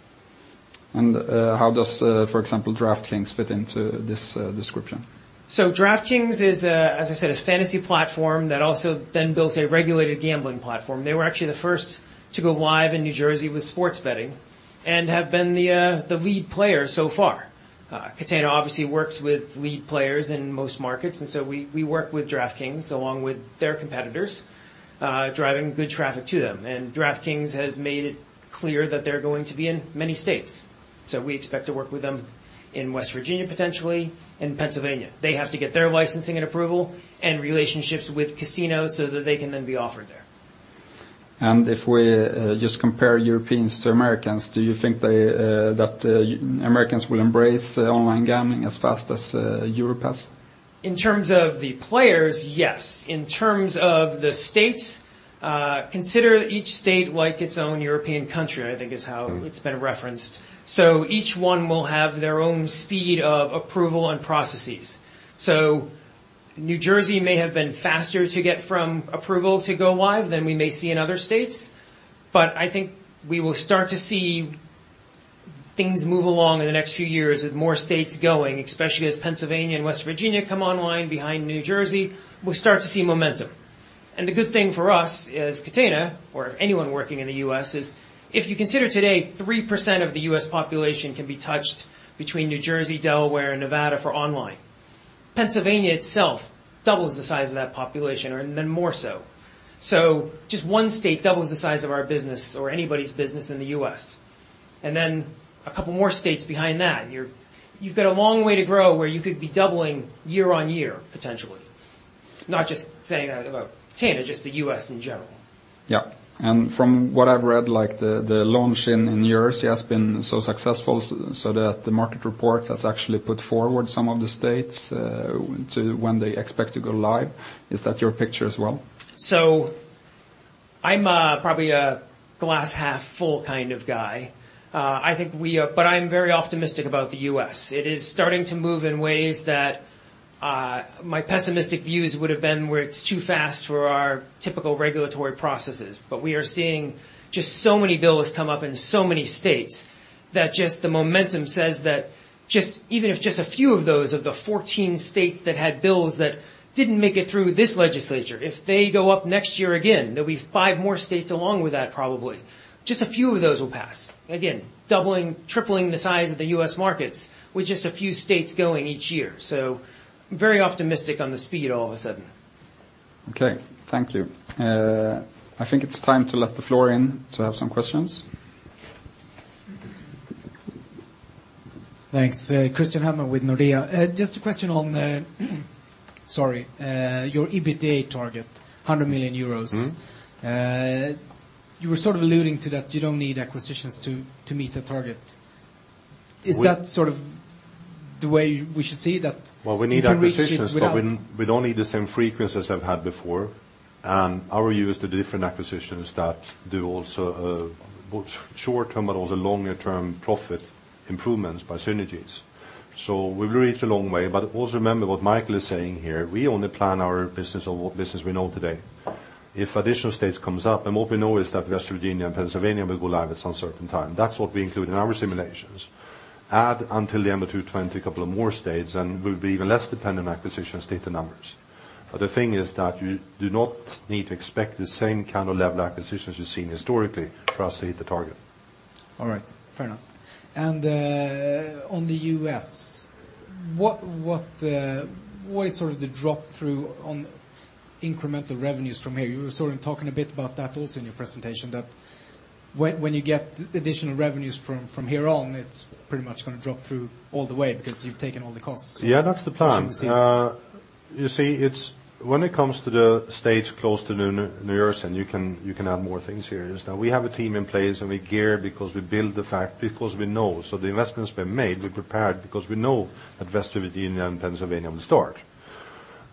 How does, for example, DraftKings fit into this description? DraftKings is, as I said, a fantasy platform that also then built a regulated gambling platform. They were actually the first to go live in New Jersey with sports betting and have been the lead player so far. Catena obviously works with lead players in most markets. We work with DraftKings along with their competitors, driving good traffic to them. DraftKings has made it clear that they are going to be in many states. We expect to work with them in West Virginia, potentially, and Pennsylvania. They have to get their licensing and approval and relationships with casinos so that they can then be offered there. If we just compare Europeans to Americans, do you think that Americans will embrace online gambling as fast as Europe has? In terms of the players, yes. In terms of the states, consider each state like its own European country, I think is how it has been referenced. Each one will have their own speed of approval and processes. New Jersey may have been faster to get from approval to go live than we may see in other states, but I think we will start to see things move along in the next few years with more states going, especially as Pennsylvania and West Virginia come online behind New Jersey, we will start to see momentum. The good thing for us as Catena, or if anyone working in the U.S., is if you consider today, 3% of the U.S. population can be touched between New Jersey, Delaware, and Nevada for online. Pennsylvania itself doubles the size of that population and then more so. Just one state doubles the size of our business or anybody's business in the U.S. A couple more states behind that. You have got a long way to grow where you could be doubling year-on-year, potentially. Not just saying that about Catena, just the U.S. in general. Yeah. From what I've read, the launch in New Jersey has been so successful, so that the market report has actually put forward some of the states to when they expect to go live. Is that your picture as well? I'm probably a glass half full kind of guy. I'm very optimistic about the U.S. It is starting to move in ways that my pessimistic views would have been where it's too fast for our typical regulatory processes. We are seeing just so many bills come up in so many states that just the momentum says that even if just a few of those, of the 14 states that had bills that didn't make it through this legislature, if they go up next year again, there'll be five more states along with that probably. Just a few of those will pass. Again, doubling, tripling the size of the U.S. markets with just a few states going each year. I'm very optimistic on the speed all of a sudden. Okay. Thank you. I think it's time to let the floor in to have some questions. Thanks. Christian Hellmann with Nordea. Just a question on the, sorry, your EBITDA target, 100 million euros. You were sort of alluding to that you don't need acquisitions to meet the target. Is that sort of the way we should see that? Well, we need acquisitions. You can reach it without. We don't need the same frequency as I've had before, and our view is the different acquisitions that do also both short-term but also longer-term profit improvements by synergies. We've reached a long way, but also remember what Michael is saying here. We only plan our business on what business we know today. If additional states comes up, and what we know is that West Virginia and Pennsylvania will go live at some certain time. That's what we include in our simulations. Add until the end of 2020, a couple of more states, and we'll be even less dependent on acquisitions to hit the numbers. The thing is that you do not need to expect the same kind of level of acquisitions we've seen historically for us to hit the target. All right. Fair enough. On the U.S., what is sort of the drop-through on incremental revenues from here? You were sort of talking a bit about that also in your presentation, that when you get additional revenues from here on, it's pretty much going to drop-through all the way because you've taken all the costs. Yeah, that's the plan. You can see. You see, when it comes to the states close to New Jersey, and you can add more things here, is that we have a team in place and we gear because we build the fact because we know. The investment's been made, we're prepared because we know that West Virginia and Pennsylvania will start.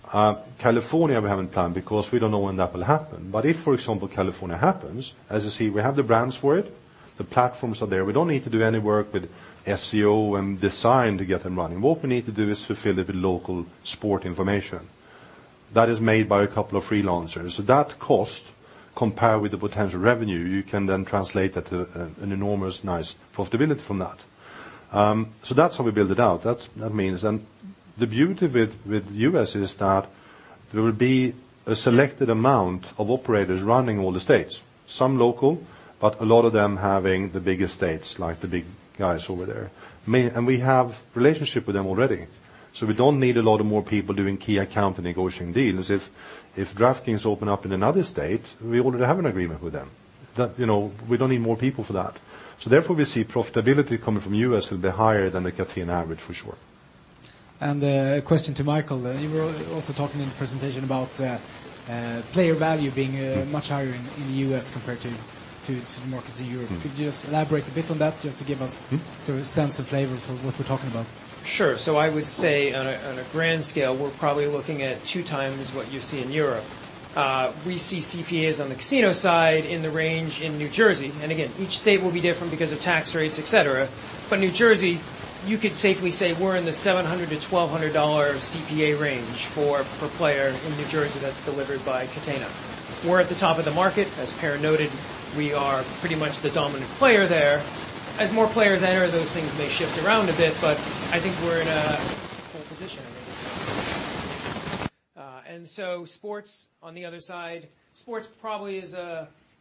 California, we haven't planned because we don't know when that will happen. If, for example, California happens, as you see, we have the brands for it. The platforms are there. We don't need to do any work with SEO and design to get them running. What we need to do is fulfill it with local sport information. That is made by a couple of freelancers. That cost, compared with the potential revenue, you can then translate that to an enormous nice profitability from that. That's how we build it out. That means then the beauty with U.S. is that there will be a selected amount of operators running all the states. Some local, but a lot of them having the bigger states, like the big guys over there. We have relationship with them already. We don't need a lot of more people doing key account and negotiating deals. If DraftKings open up in another state, we already have an agreement with them. We don't need more people for that. Therefore, we see profitability coming from U.S. will be higher than the Catena average, for sure. A question to Michael. You were also talking in the presentation about player value being much higher in the U.S. compared to the markets in Europe. Could you just elaborate a bit on that just to give us sort of a sense of flavor for what we're talking about? Sure. I would say on a grand scale, we're probably looking at two times what you see in Europe. We see CPAs on the casino side in the range in New Jersey. Again, each state will be different because of tax rates, et cetera. But New Jersey, you could safely say we're in the $700-$1,200 CPA range for per player in New Jersey that's delivered by Catena. We're at the top of the market. As Per noted, we are pretty much the dominant player there. As more players enter, those things may shift around a bit, but I think we're in a pole position, I may even say. Sports on the other side, sports probably is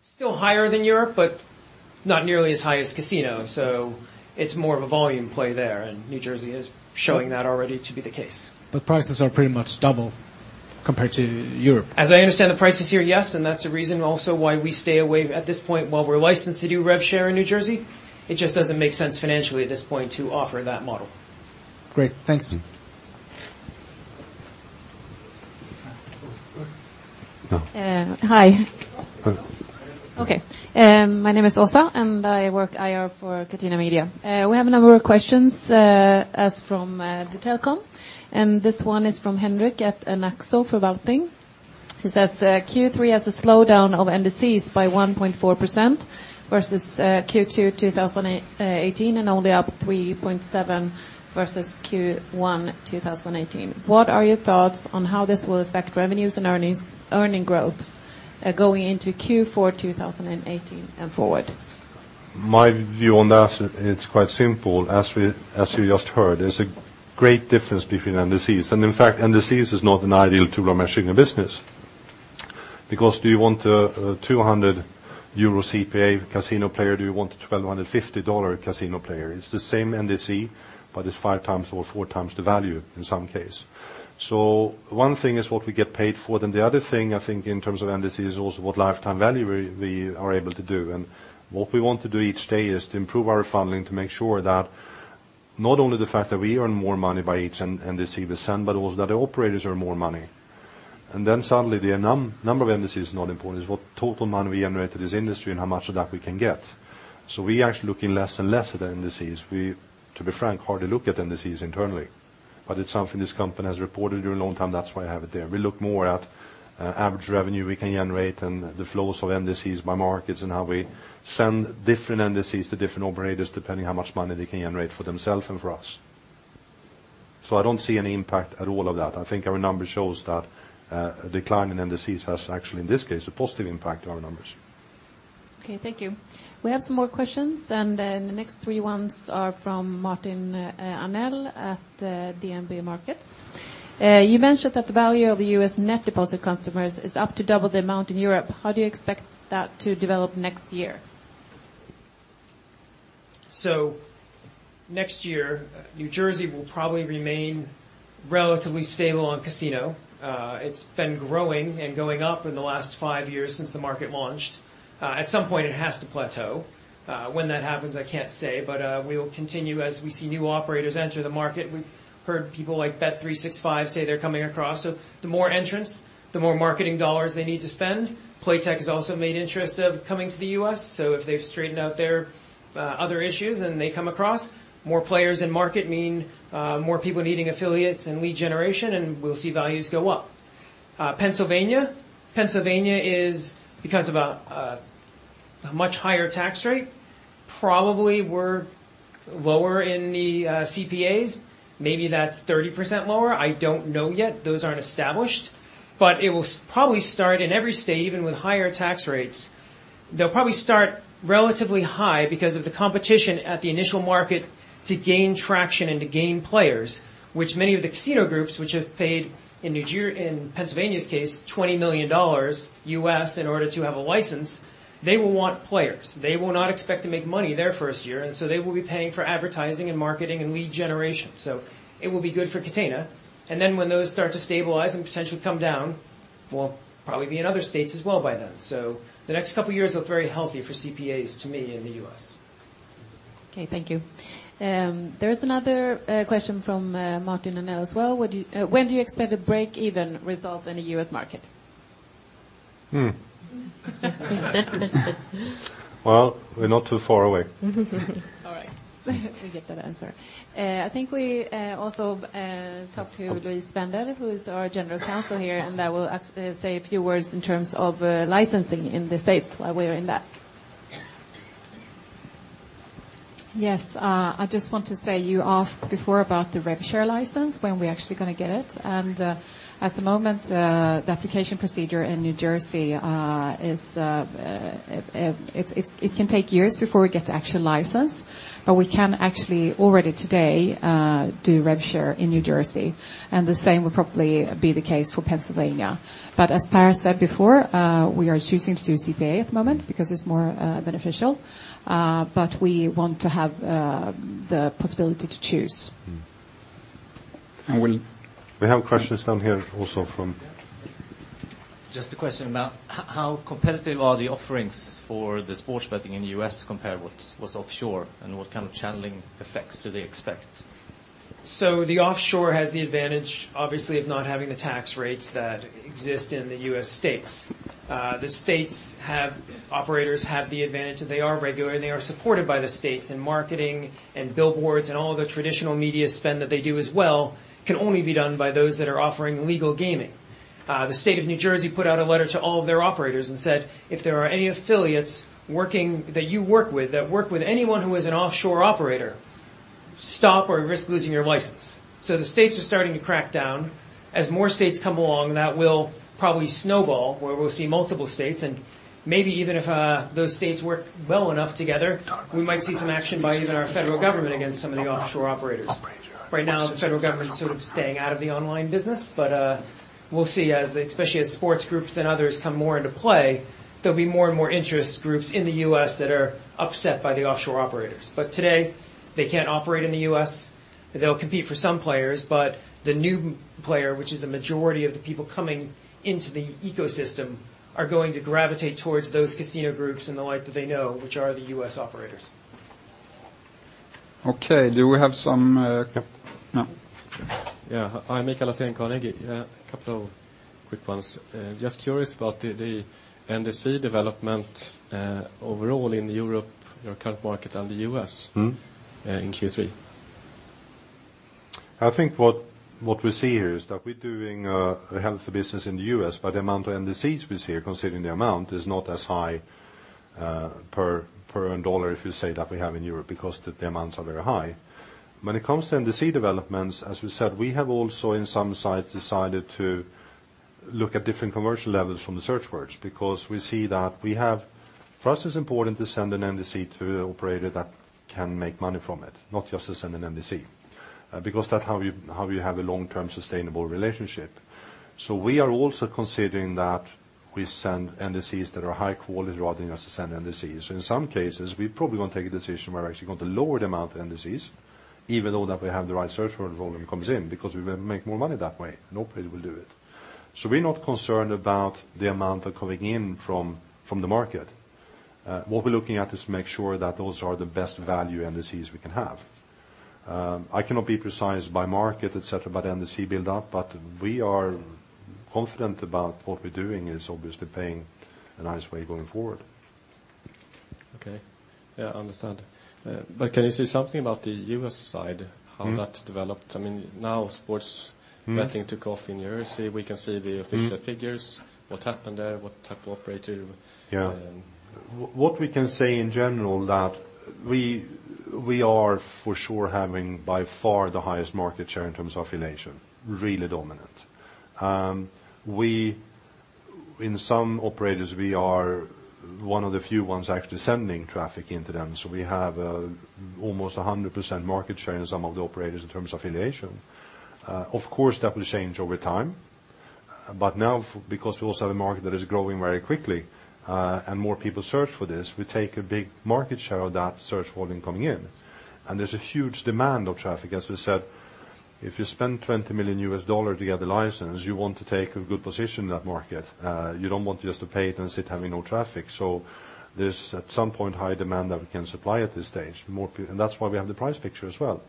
still higher than Europe, but not nearly as high as casino. It's more of a volume play there. New Jersey is showing that already to be the case. Prices are pretty much double Compared to Europe? As I understand the prices here, yes, and that's the reason also why we stay away at this point. While we're licensed to do rev share in New Jersey, it just doesn't make sense financially at this point to offer that model. Great. Thanks. Hi. Go. My name is Åsa, I work IR for Catena Media. We have a number of questions asked from the telecom. This one is from Henrik at Anaxo Forvaltning AS. He says, "Q3 has a slowdown of NDCs by 1.4% versus Q2 2018, and only up 3.7% versus Q1 2018. What are your thoughts on how this will affect revenues and earnings, earning growth, going into Q4 2018 and forward? My view on that, it's quite simple. As we just heard, there's a great difference between NDCs. In fact, NDCs is not an ideal tool for measuring a business because do you want a 200 euro CPA casino player? Do you want a $1,250 casino player? It's the same NDC, but it's five times or four times the value in some case. One thing is what we get paid for. The other thing, I think, in terms of NDC is also what lifetime value we are able to do. What we want to do each day is to improve our funneling to make sure that not only the fact that we earn more money by each NDC we send, but also that the operators earn more money. Suddenly the number of NDC is not important. It's what total money we generated as industry and how much of that we can get. We are actually looking less and less at the NDCs. We, to be frank, hardly look at NDCs internally. It's something this company has reported during a long time, that's why I have it there. We look more at average revenue we can generate and the flows of NDCs by markets and how we send different NDCs to different operators, depending how much money they can generate for themselves and for us. I don't see any impact at all of that. I think our number shows that a decline in NDCs has actually, in this case, a positive impact to our numbers. Okay, thank you. We have some more questions. The next three ones are from Martin Arnell at DNB Markets. You mentioned that the value of the U.S. net deposit customers is up to double the amount in Europe. How do you expect that to develop next year? Next year, New Jersey will probably remain relatively stable on casino. It has been growing and going up in the last five years since the market launched. At some point it has to plateau. When that happens, I cannot say, but we will continue as we see new operators enter the market. We have heard people like Bet365 say they are coming across, so the more entrants, the more marketing dollars they need to spend. Playtech has also made interest of coming to the U.S., so if they have straightened out their other issues, then they come across. More players in market mean more people needing affiliates and lead generation, and we will see values go up. Pennsylvania is, because of a much higher tax rate, probably we are lower in the CPAs. Maybe that is 30% lower. I do not know yet. Those are not established. It will probably start in every state, even with higher tax rates. They will probably start relatively high because of the competition at the initial market to gain traction and to gain players, which many of the casino groups which have paid, in Pennsylvania's case, $20 million in order to have a license, they will want players. They will not expect to make money their first year, and they will be paying for advertising and marketing and lead generation. It will be good for Catena Media. Then when those start to stabilize and potentially come down, we will probably be in other states as well by then. The next couple of years look very healthy for CPAs to me in the U.S. Okay, thank you. There is another question from Martin Anel as well. When do you expect a break-even result in the U.S. market? We are not too far away. All right. We get that answer. I think we also talk to Louise Svendahl, who is our general counsel here, and that will say a few words in terms of licensing in the U.S. while we are in that. Yes. I just want to say, you asked before about the rev share license, when we're actually going to get it. At the moment, the application procedure in New Jersey, it can take years before we get the actual license. We can actually already today do rev share in New Jersey. The same will probably be the case for Pennsylvania. As Per said before, we are choosing to do CPA at the moment because it's more beneficial. We want to have the possibility to choose. We have questions down here also from- Just a question about how competitive are the offerings for the sports betting in the U.S. compared with what's offshore. What kind of channeling effects do they expect? The offshore has the advantage, obviously, of not having the tax rates that exist in the U.S. states. The states have operators have the advantage that they are regulated, and they are supported by the states in marketing and billboards and all the traditional media spend that they do as well can only be done by those that are offering legal gaming. The state of New Jersey put out a letter to all of their operators and said, "If there are any affiliates that you work with that work with anyone who is an offshore operator, stop or risk losing your license." The states are starting to crack down. As more states come along, that will probably snowball, where we'll see multiple states, and maybe even if those states work well enough together, we might see some action by even our federal government against some of the offshore operators. Right now, the federal government's sort of staying out of the online business, but we'll see as especially as sports groups and others come more into play, there'll be more and more interest groups in the U.S. that are upset by the offshore operators. Today, they can't operate in the U.S. They'll compete for some players, but the new player, which is the majority of the people coming into the ecosystem, are going to gravitate towards those casino groups and the like that they know, which are the U.S. operators. Okay. Do we have. Yeah. Yeah. I'm Mikael Alsen, Carnegie. A couple of quick ones. Just curious about the NDC development, overall in Europe, your current market, and the U.S. in Q3. I think what we see here is that we're doing a healthy business in the U.S., but the amount of NDCs we see, considering the amount, is not as high per earned dollar, if you say, that we have in Europe, because the amounts are very high. When it comes to NDC developments, as we said, we have also on some sites decided to look at different commercial levels from the search words, because we see that we have First, it's important to send an NDC to the operator that can make money from it, not just to send an NDC. That's how you have a long-term sustainable relationship. We are also considering that we send NDCs that are high quality rather than just send NDCs. In some cases, we probably won't take a decision where we're actually going to lower the amount of NDCs, even though that we have the right search word volume comes in, because we will make more money that way, and operators will do it. We're not concerned about the amount coming in from the market. What we're looking at is to make sure that those are the best value NDCs we can have. I cannot be precise by market, et cetera, about the NDC buildup, but we are confident about what we're doing is obviously paying a nice way going forward. Okay. Yeah, understand. Can you say something about the U.S. side- How that's developed? Sports betting took off in the U.S., we can see the official figures. What happened there? What type of operator? What we can say in general that we are for sure having by far the highest market share in terms of affiliation. Really dominant. In some operators, we are one of the few ones actually sending traffic into them. We have almost 100% market share in some of the operators in terms of affiliation. Of course, that will change over time. Now, because we also have a market that is growing very quickly, and more people search for this, we take a big market share of that search volume coming in. There's a huge demand of traffic. As we said, if you spend $20 million to get a license, you want to take a good position in that market. You don't want just to pay it and sit having no traffic. There's at some point high demand that we can supply at this stage, and that's why we have the price picture as well.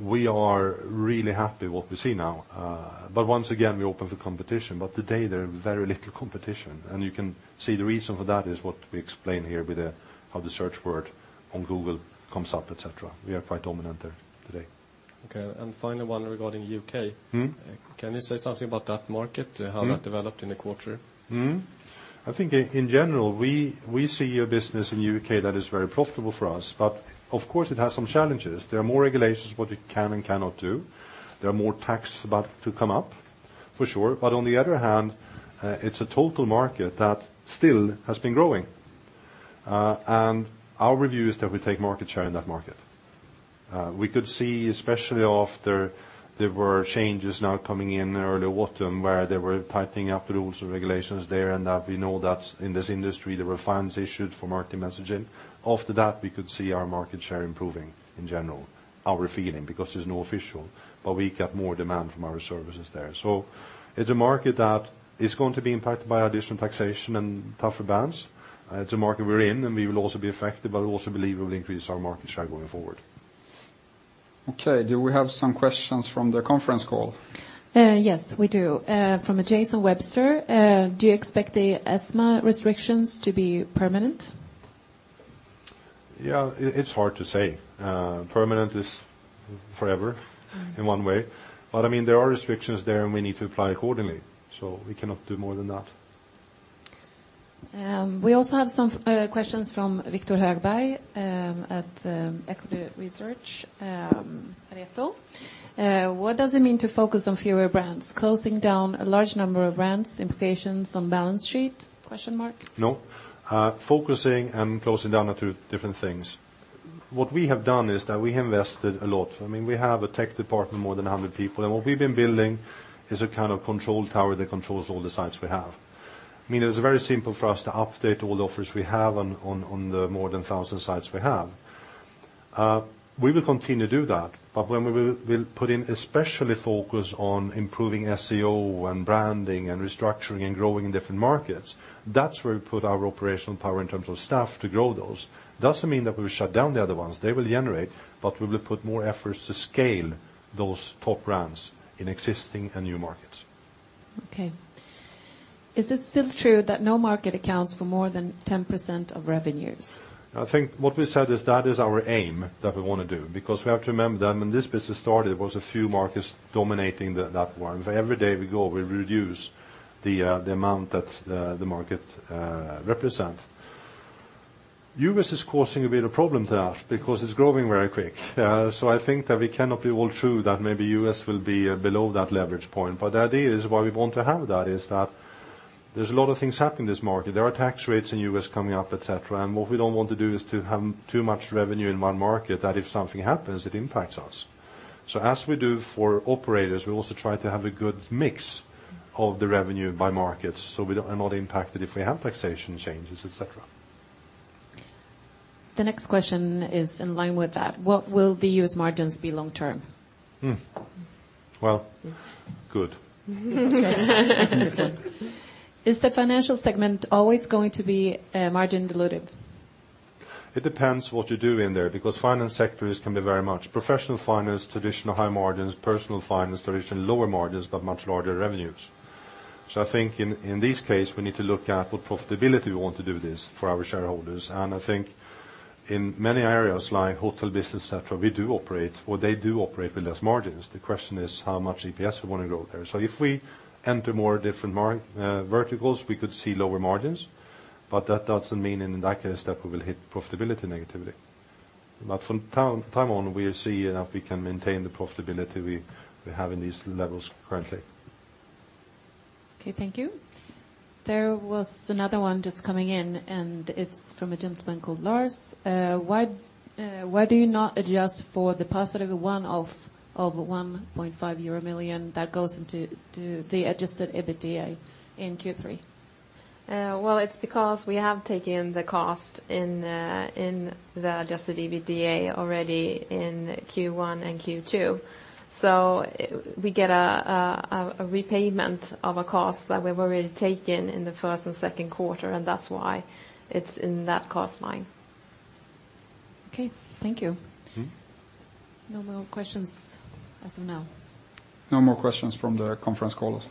We are really happy what we see now. Once again, we're open for competition. Today, there are very little competition. You can see the reason for that is what we explain here with how the search word on Google comes up, et cetera. We are quite dominant there today. Final one regarding U.K. Can you say something about that market how that developed in the quarter? In general, we see a business in U.K. that is very profitable for us. Of course, it has some challenges. There are more regulations what we can and cannot do. There are more tax about to come up, for sure. On the other hand, it's a total market that still has been growing. Our review is that we take market share in that market. We could see especially after there were changes now coming in early autumn where they were tightening up rules and regulations there, and we know that in this industry, there were fines issued for marketing messaging. After that, we could see our market share improving in general, our feeling, because there's no official, but we got more demand from our services there. It's a market that is going to be impacted by additional taxation and tougher bans. It's a market we're in, and we will also be affected, but we also believe it will increase our market share going forward. Okay. Do we have some questions from the conference call? Yes, we do. From Jason Webster, "Do you expect the ESMA restrictions to be permanent? Yeah. It's hard to say. Permanent is forever. In one way. There are restrictions there, and we need to apply accordingly. We cannot do more than that. We also have some questions from Viktor Högberg, at Equity Research. "What does it mean to focus on fewer brands? Closing down a large number of brands implications on balance sheet? No. Focusing and closing down are two different things. What we have done is that we invested a lot. We have a tech department, more than 100 people, and what we've been building is a kind of control tower that controls all the sites we have. It's very simple for us to update all the offers we have on the more than 1,000 sites we have. We will continue to do that. When we will put in especially focus on improving SEO and branding and restructuring and growing in different markets, that's where we put our operational power in terms of staff to grow those. Doesn't mean that we will shut down the other ones. They will generate, but we will put more efforts to scale those top brands in existing and new markets. Okay. "Is it still true that no market accounts for more than 10% of revenues? I think what we said is that is our aim that we want to do, because we have to remember that when this business started, there was a few markets dominating that one. For every day we go, we reduce the amount that the market represent. U.S. is causing a bit of problem there because it's growing very quick. I think that we cannot be well sure that maybe U.S. will be below that leverage point. The idea is why we want to have that is that there's a lot of things happening in this market. There are tax rates in U.S. coming up, et cetera, and what we don't want to do is to have too much revenue in one market that if something happens, it impacts us. As we do for operators, we also try to have a good mix of the revenue by markets, so we are not impacted if we have taxation changes, et cetera. The next question is in line with that. "What will the U.S. margins be long term? Well, good. Is the financial segment always going to be margin dilutive? It depends what you do in there, finance sectors can be very much professional finance, traditional high margins, personal finance, traditional lower margins, but much larger revenues. I think in this case, we need to look at what profitability we want to do this for our shareholders. I think in many areas like hotel business, et cetera, we do operate, or they do operate with less margins. The question is how much EPS we want to grow there. If we enter more different verticals, we could see lower margins, but that doesn't mean in that case that we will hit profitability negatively. From time on, we'll see if we can maintain the profitability we have in these levels currently. Okay, thank you. There was another one just coming in. It's from a gentleman called Lars. Why do you not adjust for the positive one of 1.5 million euro that goes into the adjusted EBITDA in Q3? Well, it's because we have taken the cost in the adjusted EBITDA already in Q1 and Q2. We get a repayment of a cost that we've already taken in the first and second quarter, and that's why it's in that cost line. Okay. Thank you. No more questions as of now. No more questions from the conference call.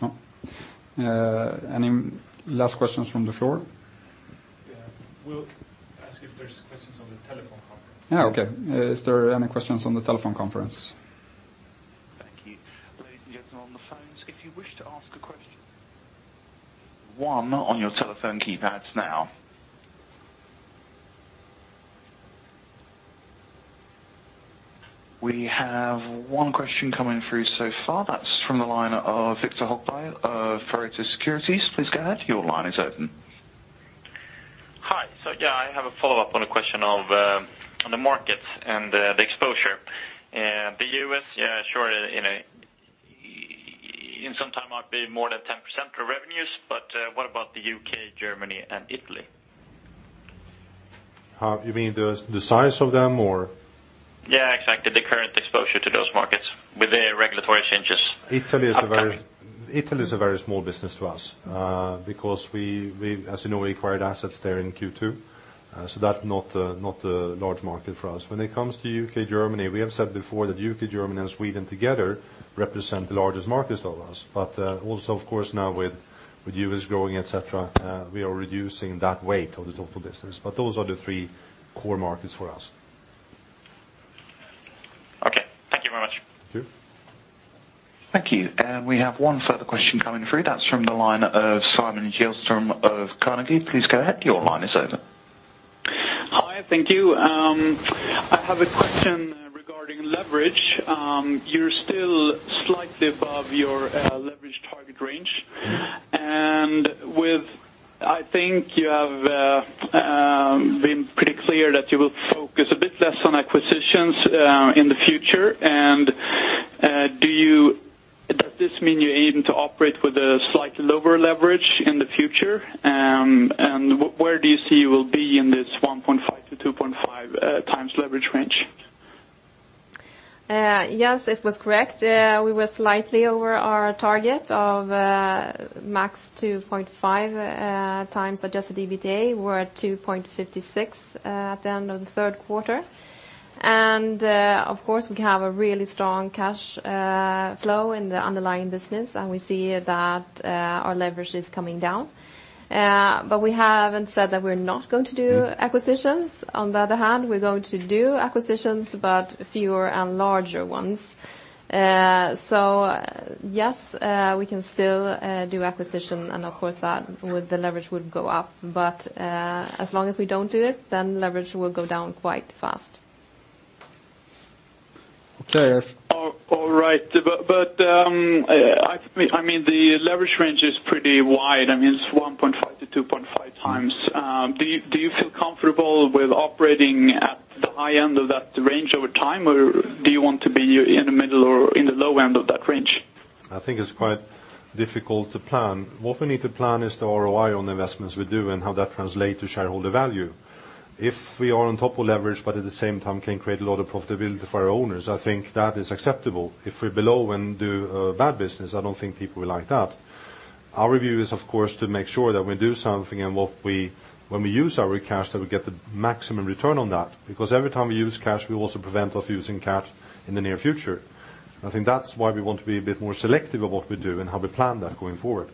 No. Any last questions from the floor? Yeah. We'll ask if there's questions on the telephone conference. Okay. Is there any questions on the telephone conference? Thank you. Ladies and gentlemen on the phones, if you wish to ask a question, one on your telephone keypads now. We have one question coming through so far. That's from the line of Viktor Hagberg of Pareto Securities. Please go ahead. Your line is open. Hi. I have a follow-up on a question of on the markets and the exposure. The U.S., sure, in some time might be more than 10% of revenues, but what about the U.K., Germany, and Italy? You mean the size of them or? Yeah, exactly. The current exposure to those markets with the regulatory changes upcoming. Italy is a very small business to us because we, as you know, we acquired assets there in Q2, that's not a large market for us. When it comes to U.K., Germany, we have said before that U.K., Germany, and Sweden together represent the largest markets to us. Also of course now with U.S. growing, et cetera, we are reducing that weight of the total business. Those are the three core markets for us. Okay. Thank you very much. Thank you. Thank you. We have one further question coming through. That's from the line of Simon Gielsdam of Carnegie. Please go ahead. Your line is open. Hi. Thank you. I have a question regarding leverage. You're still slightly above your leverage target range. I think you have been pretty clear that you will focus a bit less on acquisitions in the future and does this mean you're aiming to operate with a slightly lower leverage in the future? Where do you see you will be in this 1.5 times-2.5 times leverage range? Yes, it was correct. We were slightly over our target of max 2.5 times adjusted EBITDA. We are at 2.56 at the end of the third quarter. Of course, we have a really strong cash flow in the underlying business, and we see that our leverage is coming down. We haven't said that we are not going to do acquisitions. On the other hand, we are going to do acquisitions, but fewer and larger ones. Yes, we can still do acquisition and of course that with the leverage would go up, but as long as we don't do it, then leverage will go down quite fast. Okay. Yes. All right. The leverage range is pretty wide. It's 1.5 to 2.5 times. Do you feel comfortable with operating at the high end of that range over time, or do you want to be in the middle or in the low end of that range? I think it's quite difficult to plan. What we need to plan is the ROI on the investments we do and how that translate to shareholder value. If we are on top of leverage, but at the same time can create a lot of profitability for our owners, I think that is acceptable. If we are below and do bad business, I don't think people will like that. Our view is, of course, to make sure that we do something and when we use our cash, that we get the maximum return on that because every time we use cash, we also prevent us using cash in the near future. I think that's why we want to be a bit more selective of what we do and how we plan that going forward.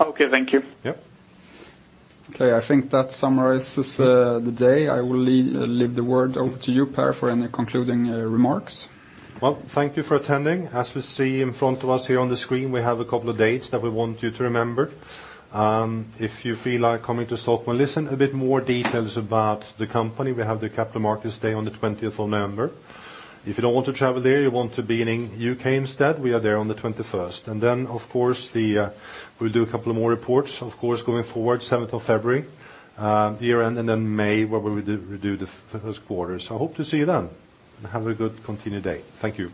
Okay. Thank you. Yep. Okay. I think that summarizes the day. I will leave the word over to you, Per, for any concluding remarks. Thank you for attending. As we see in front of us here on the screen, we have a couple of dates that we want you to remember. If you feel like coming to Stockholm and listen a bit more details about the company, we have the capital markets day on the 20th of November. If you don't want to travel there, you want to be in U.K. instead, we are there on the 21st. Of course, we'll do a couple of more reports, of course, going forward 7th of February, year end, and then May, where we do the first quarter. Hope to see you then and have a good continued day. Thank you